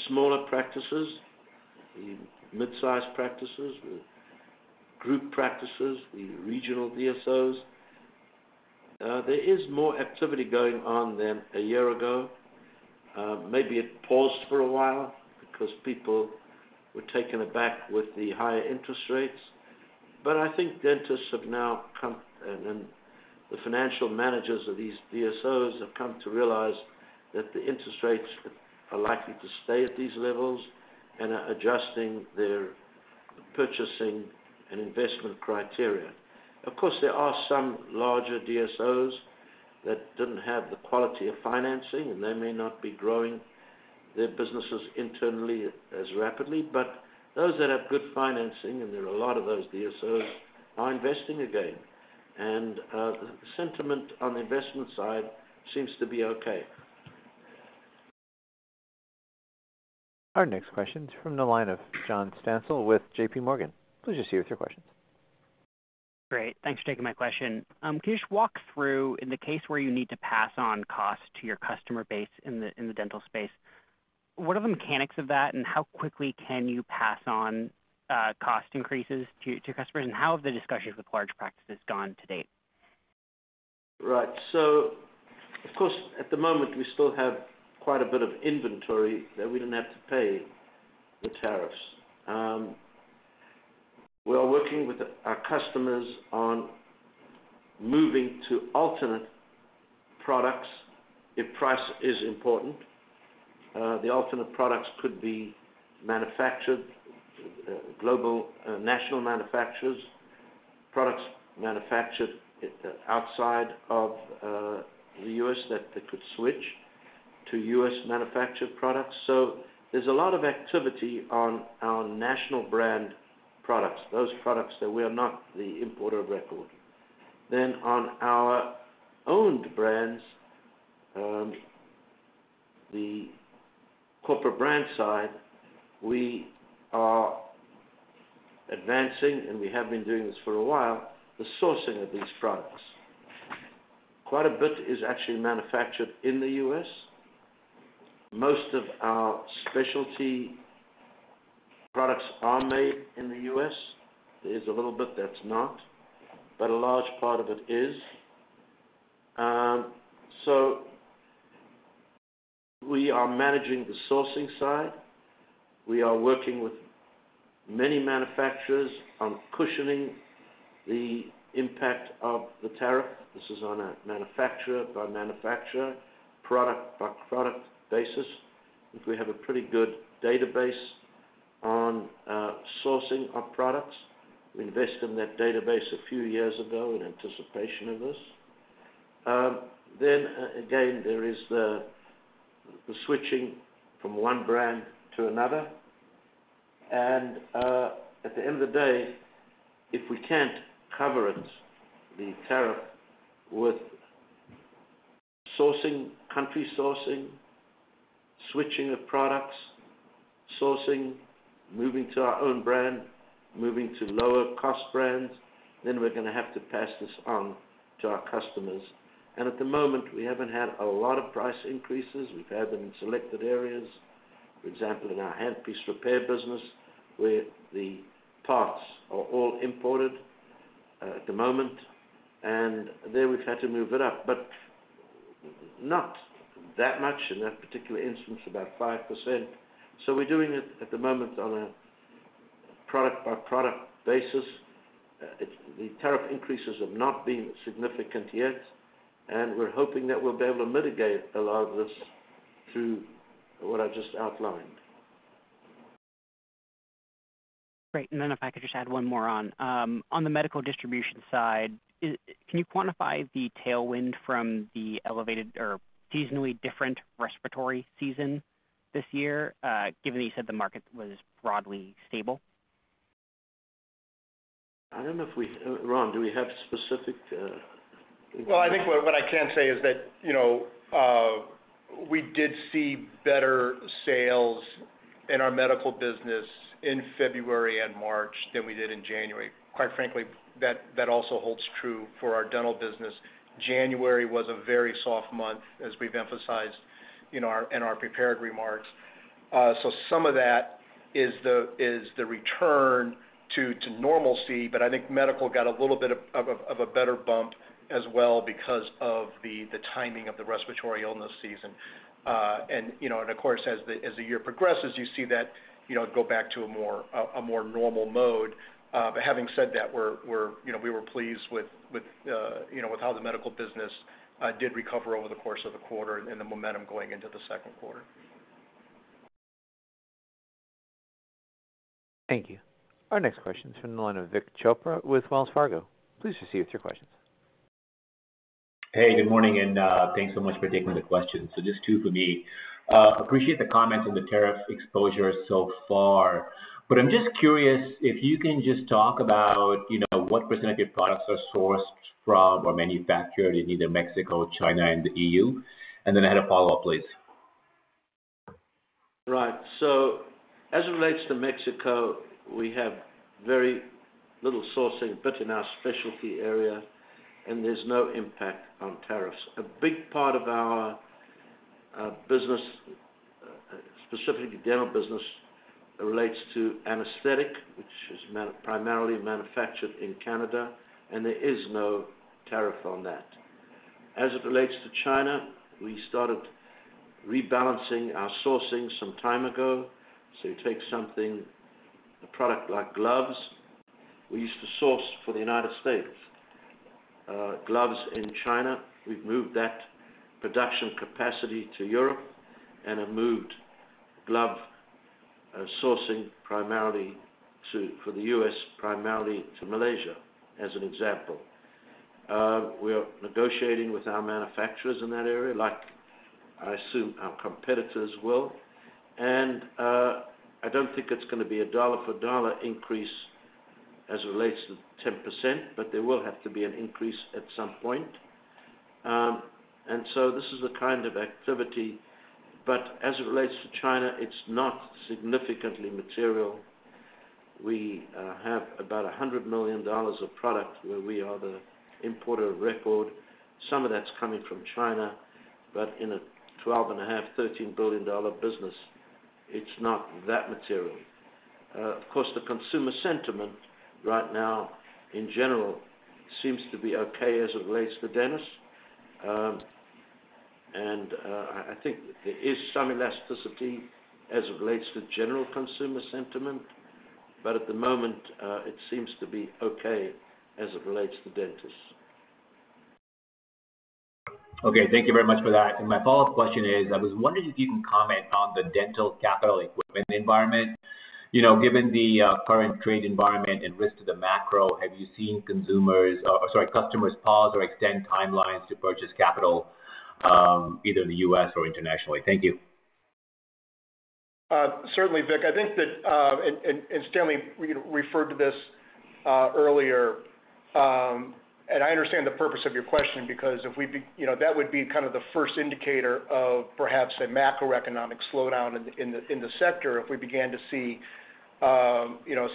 smaller practices, the mid-size practices, the group practices, the regional DSOs. There is more activity going on than a year ago. Maybe it paused for a while because people were taken aback with the higher interest rates. I think dentists have now come and the financial managers of these DSOs have come to realize that the interest rates are likely to stay at these levels and are adjusting their purchasing and investment criteria. Of course, there are some larger DSOs that didn't have the quality of financing, and they may not be growing their businesses internally as rapidly. Those that have good financing, and there are a lot of those DSOs, are investing again. The sentiment on the investment side seems to be okay. Our next question is from the line of John Stansell with JPMorgan. Please proceed with your questions. Great. Thanks for taking my question. Can you just walk through, in the case where you need to pass on cost to your customer base in the dental space, what are the mechanics of that, and how quickly can you pass on cost increases to customers, and how have the discussions with large practices gone to date? Right. Of course, at the moment, we still have quite a bit of inventory that we did not have to pay the tariffs. We are working with our customers on moving to alternate products if price is important. The alternate products could be manufactured, national manufacturers, products manufactured outside of the US that they could switch to US-manufactured products. There is a lot of activity on our national brand products, those products that we are not the importer of record. On our owned brands, the corporate brand side, we are advancing, and we have been doing this for a while, the sourcing of these products. Quite a bit is actually manufactured in the US. Most of our specialty products are made in the US. There is a little bit that's not, but a large part of it is. We are managing the sourcing side. We are working with many manufacturers on cushioning the impact of the tariff. This is on a manufacturer-by-manufacturer, product-by-product basis. I think we have a pretty good database on sourcing of products. We invested in that database a few years ago in anticipation of this. Again, there is the switching from one brand to another. At the end of the day, if we can't cover it, the tariff with sourcing, country sourcing, switching of products, sourcing, moving to our own brand, moving to lower-cost brands, then we're going to have to pass this on to our customers. At the moment, we haven't had a lot of price increases. We've had them in selected areas, for example, in our handpiece repair business, where the parts are all imported at the moment. There we've had to move it up, but not that much in that particular instance, about 5%. We're doing it at the moment on a product-by-product basis. The tariff increases have not been significant yet, and we're hoping that we'll be able to mitigate a lot of this through what I just outlined. Great. If I could just add one more on. On the medical distribution side, can you quantify the tailwind from the elevated or seasonally different respiratory season this year, given that you said the market was broadly stable? I don't know if we, Ron, do we have specific? I think what I can say is that we did see better sales in our medical business in February and March than we did in January. Quite frankly, that also holds true for our dental business. January was a very soft month, as we've emphasized in our prepared remarks. Some of that is the return to normalcy, but I think medical got a little bit of a better bump as well because of the timing of the respiratory illness season. Of course, as the year progresses, you see that go back to a more normal mode. Having said that, we were pleased with how the medical business did recover over the course of the quarter and the momentum going into the second quarter. Thank you. Our next question is from the line of Vik Chopra with Wells Fargo. Please proceed with your questions. Hey, good morning, and thanks so much for taking the question. Just two for me. Appreciate the comments on the tariff exposure so far, but I'm just curious if you can just talk about what % of your products are sourced from or manufactured in either Mexico, China, and the EU. I had a follow-up, please. Right. As it relates to Mexico, we have very little sourcing, but in our specialty area, and there's no impact on tariffs. A big part of our business, specifically the dental business, relates to anesthetic, which is primarily manufactured in Canada, and there is no tariff on that. As it relates to China, we started rebalancing our sourcing some time ago. You take something, a product like gloves, we used to source for the US. Gloves in China, we've moved that production capacity to Europe and have moved glove sourcing primarily for the US, primarily to Malaysia, as an example. We are negotiating with our manufacturers in that area, like I assume our competitors will. I don't think it's going to be a dollar-for-dollar increase as it relates to 10%, but there will have to be an increase at some point. This is the kind of activity. As it relates to China, it's not significantly material. We have about $100 million of product where we are the importer of record. Some of that's coming from China, but in a 12 and a half, 13 billion dollar business, it's not that material. Of course, the consumer sentiment right now, in general, seems to be okay as it relates to dentists. I think there is some elasticity as it relates to general consumer sentiment, but at the moment, it seems to be okay as it relates to dentists. Thank you very much for that. My follow-up question is, I was wondering if you can comment on the dental capital equipment environment. Given the current trade environment and risk to the macro, have you seen consumers or, sorry, customers pause or extend timelines to purchase capital either in the US or internationally? Thank you. Certainly, Vic. I think that, and Stanley referred to this earlier, and I understand the purpose of your question because if we, that would be kind of the first indicator of perhaps a macroeconomic slowdown in the sector if we began to see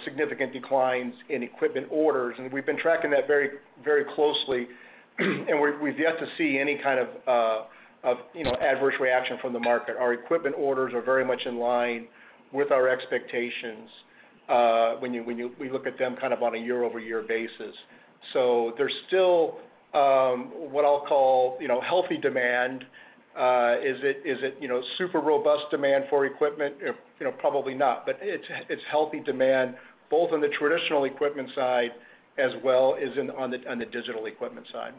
significant declines in equipment orders. We've been tracking that very closely, and we've yet to see any kind of adverse reaction from the market. Our equipment orders are very much in line with our expectations when we look at them kind of on a year-over-year basis. There is still what I'll call healthy demand. Is it super robust demand for equipment? Probably not, but it's healthy demand, both on the traditional equipment side as well as on the digital equipment side.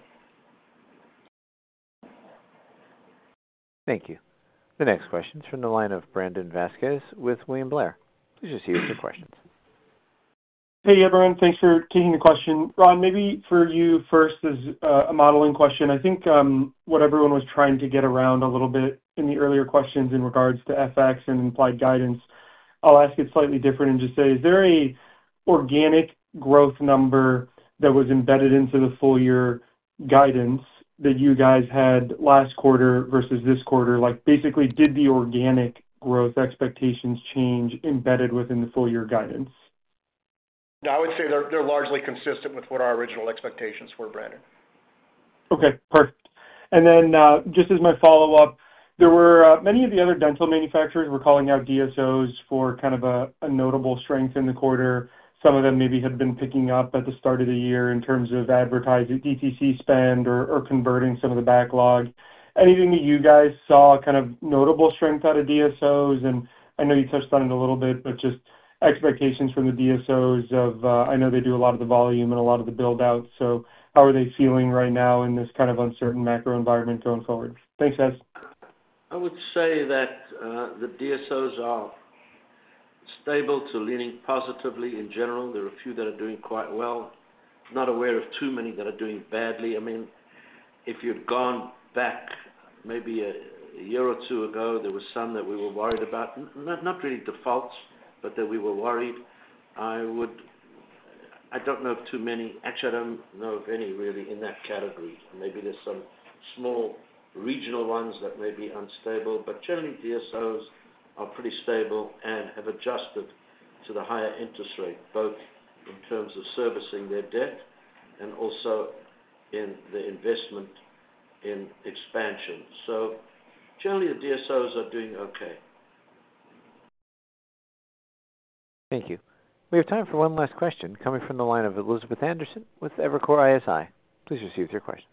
Thank you. The next question is from the line of Brandon Vasquez with William Blair. Please proceed with your questions. Hey, everyone. Thanks for taking the question. Ron, maybe for you first as a modeling question, I think what everyone was trying to get around a little bit in the earlier questions in regards to FX and implied guidance. I'll ask it slightly different and just say, is there an organic growth number that was embedded into the full-year guidance that you guys had last quarter versus this quarter? Basically, did the organic growth expectations change embedded within the full-year guidance? No, I would say they're largely consistent with what our original expectations were, Brandon. Okay. Perfect. And then just as my follow-up, many of the other dental manufacturers were calling out DSOs for kind of a notable strength in the quarter. Some of them maybe had been picking up at the start of the year in terms of advertising DTC spend or converting some of the backlog. Anything that you guys saw kind of notable strength out of DSOs? I know you touched on it a little bit, but just expectations from the DSOs of I know they do a lot of the volume and a lot of the build-outs. How are they feeling right now in this kind of uncertain macro environment going forward? Thanks, guys. I would say that the DSOs are stable to leaning positively in general. There are a few that are doing quite well. Not aware of too many that are doing badly. I mean, if you'd gone back maybe a year or two ago, there were some that we were worried about. Not really defaults, but that we were worried. I don't know of too many. Actually, I don't know of any really in that category. Maybe there's some small regional ones that may be unstable, but generally, DSOs are pretty stable and have adjusted to the higher interest rate, both in terms of servicing their debt and also in the investment in expansion. Generally, the DSOs are doing okay. Thank you. We have time for one last question coming from the line of Elizabeth Anderson with Evercore ISI. Please proceed with your question.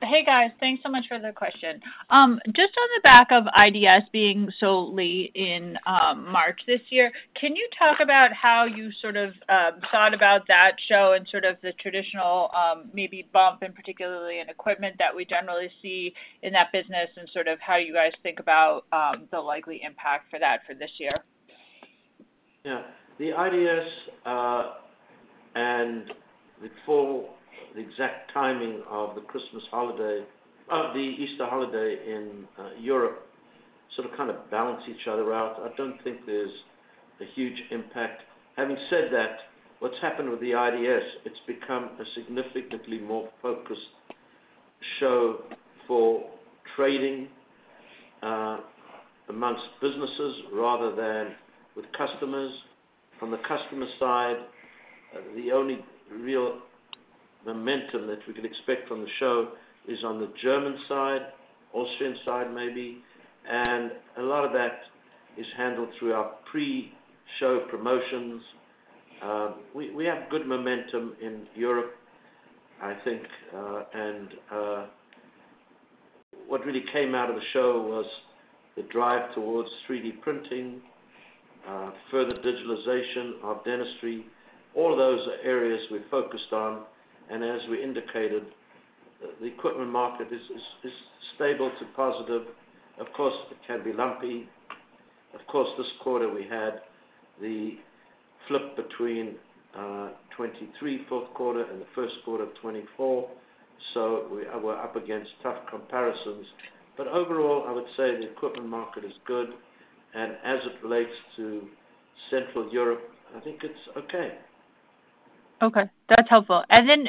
Hey, guys. Thanks so much for the question. Just on the back of IDS being so late in March this year, can you talk about how you sort of thought about that show and sort of the traditional maybe bump, and particularly in equipment that we generally see in that business, and sort of how you guys think about the likely impact for that for this year? Yeah. The IDS and the full exact timing of the Christmas holiday, of the Easter holiday in Europe, sort of kind of balance each other out. I don't think there's a huge impact. Having said that, what's happened with the IDS, it's become a significantly more focused show for trading amongst businesses rather than with customers. On the customer side, the only real momentum that we could expect from the show is on the German side, Austrian side maybe, and a lot of that is handled through our pre-show promotions. We have good momentum in Europe, I think, and what really came out of the show was the drive towards 3D printing, further digitalization of dentistry. All of those are areas we focused on. As we indicated, the equipment market is stable to positive. Of course, it can be lumpy. Of course, this quarter, we had the flip between 2023, fourth quarter, and the first quarter of 2024. We were up against tough comparisons. Overall, I would say the equipment market is good. As it relates to Central Europe, I think it's okay. That's helpful.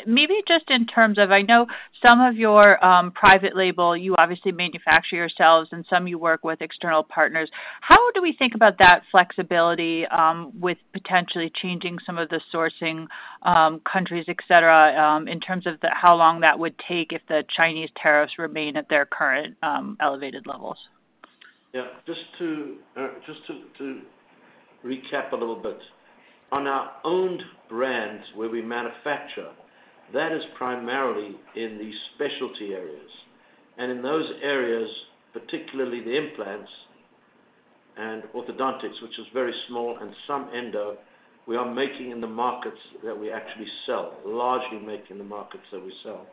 Maybe just in terms of I know some of your private label, you obviously manufacture yourselves, and some you work with external partners. How do we think about that flexibility with potentially changing some of the sourcing countries, etc., in terms of how long that would take if the Chinese tariffs remain at their current elevated levels? Yeah. Just to recap a little bit. On our owned brands where we manufacture, that is primarily in the specialty areas. In those areas, particularly the implants and orthodontics, which is very small, and some endo, we are making in the markets that we actually sell, largely making the markets that we sell.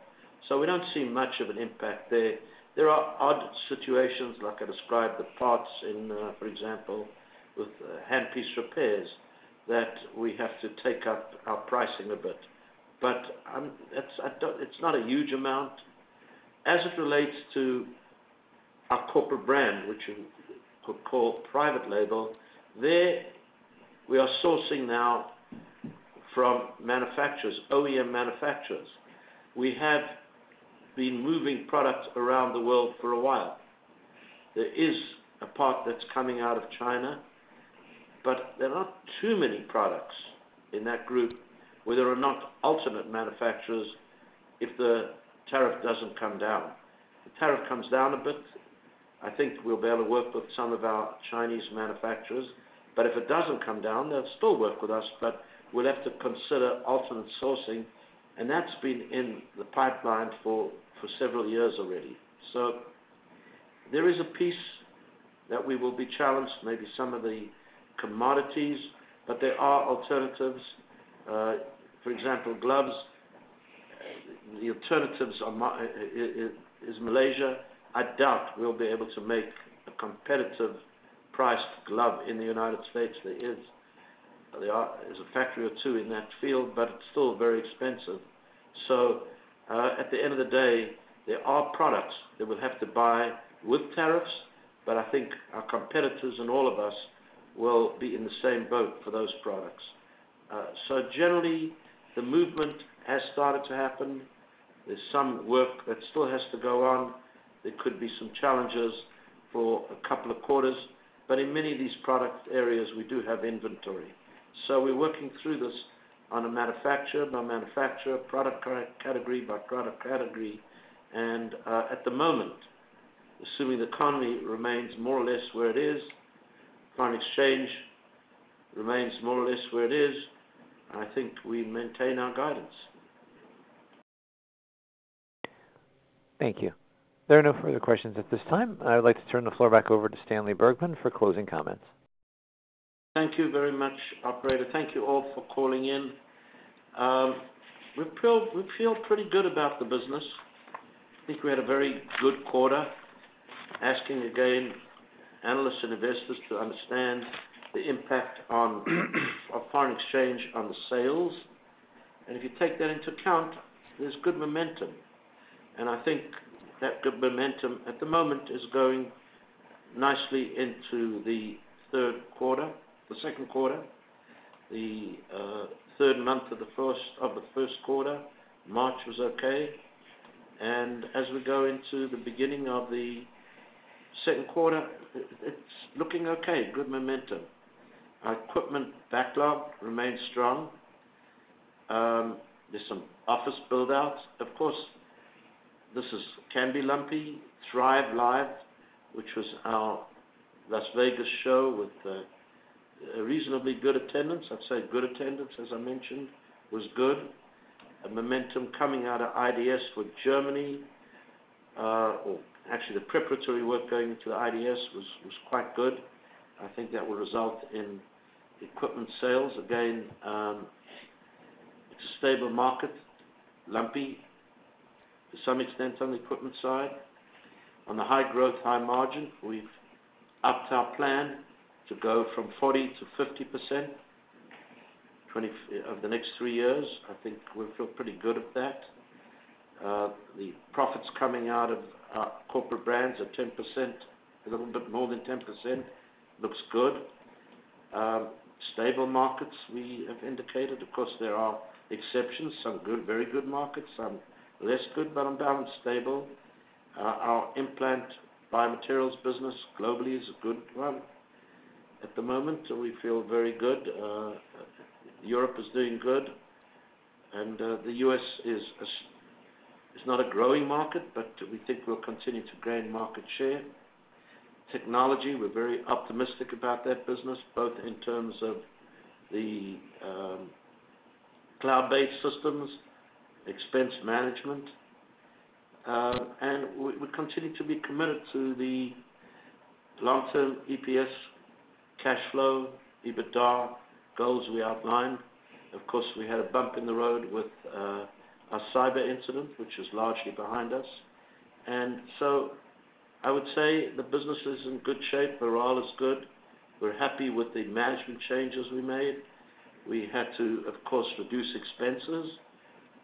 We do not see much of an impact there. There are odd situations, like I described, the parts in, for example, with handpiece repairs that we have to take up our pricing a bit. It is not a huge amount. As it relates to our corporate brand, which we call private label, we are sourcing now from manufacturers, OEM manufacturers. We have been moving products around the world for a while. There is a part that is coming out of China, but there are not too many products in that group where there are not alternate manufacturers if the tariff does not come down. If the tariff comes down a bit, I think we'll be able to work with some of our Chinese manufacturers. If it doesn't come down, they'll still work with us, but we'll have to consider alternate sourcing, and that's been in the pipeline for several years already. There is a piece that we will be challenged, maybe some of the commodities, but there are alternatives. For example, gloves, the alternative is Malaysia. I doubt we'll be able to make a competitive priced glove in the United States. There is a factory or two in that field, but it's still very expensive. At the end of the day, there are products that we'll have to buy with tariffs, but I think our competitors and all of us will be in the same boat for those products. Generally, the movement has started to happen. There's some work that still has to go on. There could be some challenges for a couple of quarters, but in many of these product areas, we do have inventory. We are working through this on a manufacturer, by manufacturer, product category, by product category. At the moment, assuming the economy remains more or less where it is, foreign exchange remains more or less where it is, I think we maintain our guidance. Thank you. There are no further questions at this time. I would like to turn the floor back over to Stanley Bergman for closing comments. Thank you very much, Operator. Thank you all for calling in. We feel pretty good about the business. I think we had a very good quarter asking again analysts and investors to understand the impact of foreign exchange on sales. If you take that into account, there's good momentum. I think that good momentum at the moment is going nicely into the third quarter, the second quarter, the third month of the first quarter. March was okay. As we go into the beginning of the second quarter, it's looking okay, good momentum. Our equipment backlog remains strong. There's some office build-outs. Of course, this can be lumpy. Thrive Live, which was our Las Vegas show with a reasonably good attendance. I'd say good attendance, as I mentioned, was good. Momentum coming out of IDS with Germany, or actually the preparatory work going into the IDS was quite good. I think that will result in equipment sales. Again, it's a stable market, lumpy to some extent on the equipment side. On the high growth, high margin, we've upped our plan to go from 40-50% over the next three years. I think we'll feel pretty good at that. The profits coming out of our corporate brands are 10%, a little bit more than 10%. Looks good. Stable markets we have indicated. Of course, there are exceptions, some very good markets, some less good, but on balance, stable. Our implant biomaterials business globally is a good one at the moment, and we feel very good. Europe is doing good, and the US is not a growing market, but we think we'll continue to gain market share. Technology, we're very optimistic about that business, both in terms of the cloud-based systems, expense management, and we continue to be committed to the long-term EPS cash flow, EBITDA goals we outlined. Of course, we had a bump in the road with our cyber incident, which is largely behind us. I would say the business is in good shape. Overall, it's good. We're happy with the management changes we made. We had to, of course, reduce expenses.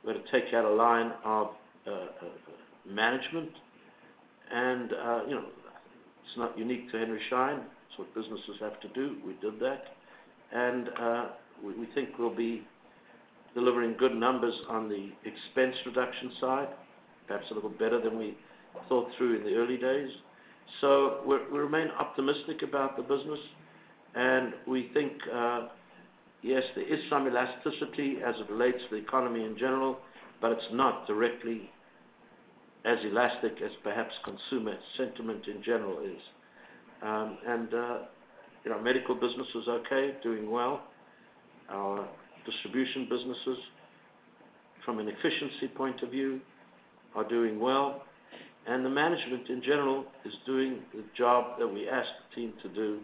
We had to take out a line of management. It is not unique to Henry Schein. It is what businesses have to do. We did that. We think we will be delivering good numbers on the expense reduction side, perhaps a little better than we thought through in the early days. We remain optimistic about the business, and we think, yes, there is some elasticity as it relates to the economy in general, but it is not directly as elastic as perhaps consumer sentiment in general is. Our medical business is okay, doing well. Our distribution businesses, from an efficiency point of view, are doing well. The management in general is doing the job that we asked the team to do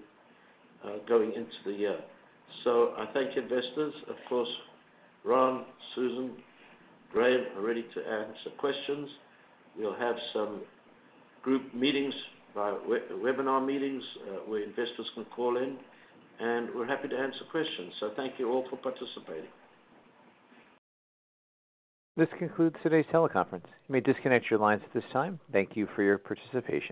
going into the year. I thank investors. Of course, Ron, Susan, Graham are ready to answer questions. We'll have some group meetings, webinar meetings, where investors can call in, and we're happy to answer questions. Thank you all for participating. This concludes today's teleconference. You may disconnect your lines at this time. Thank you for your participation.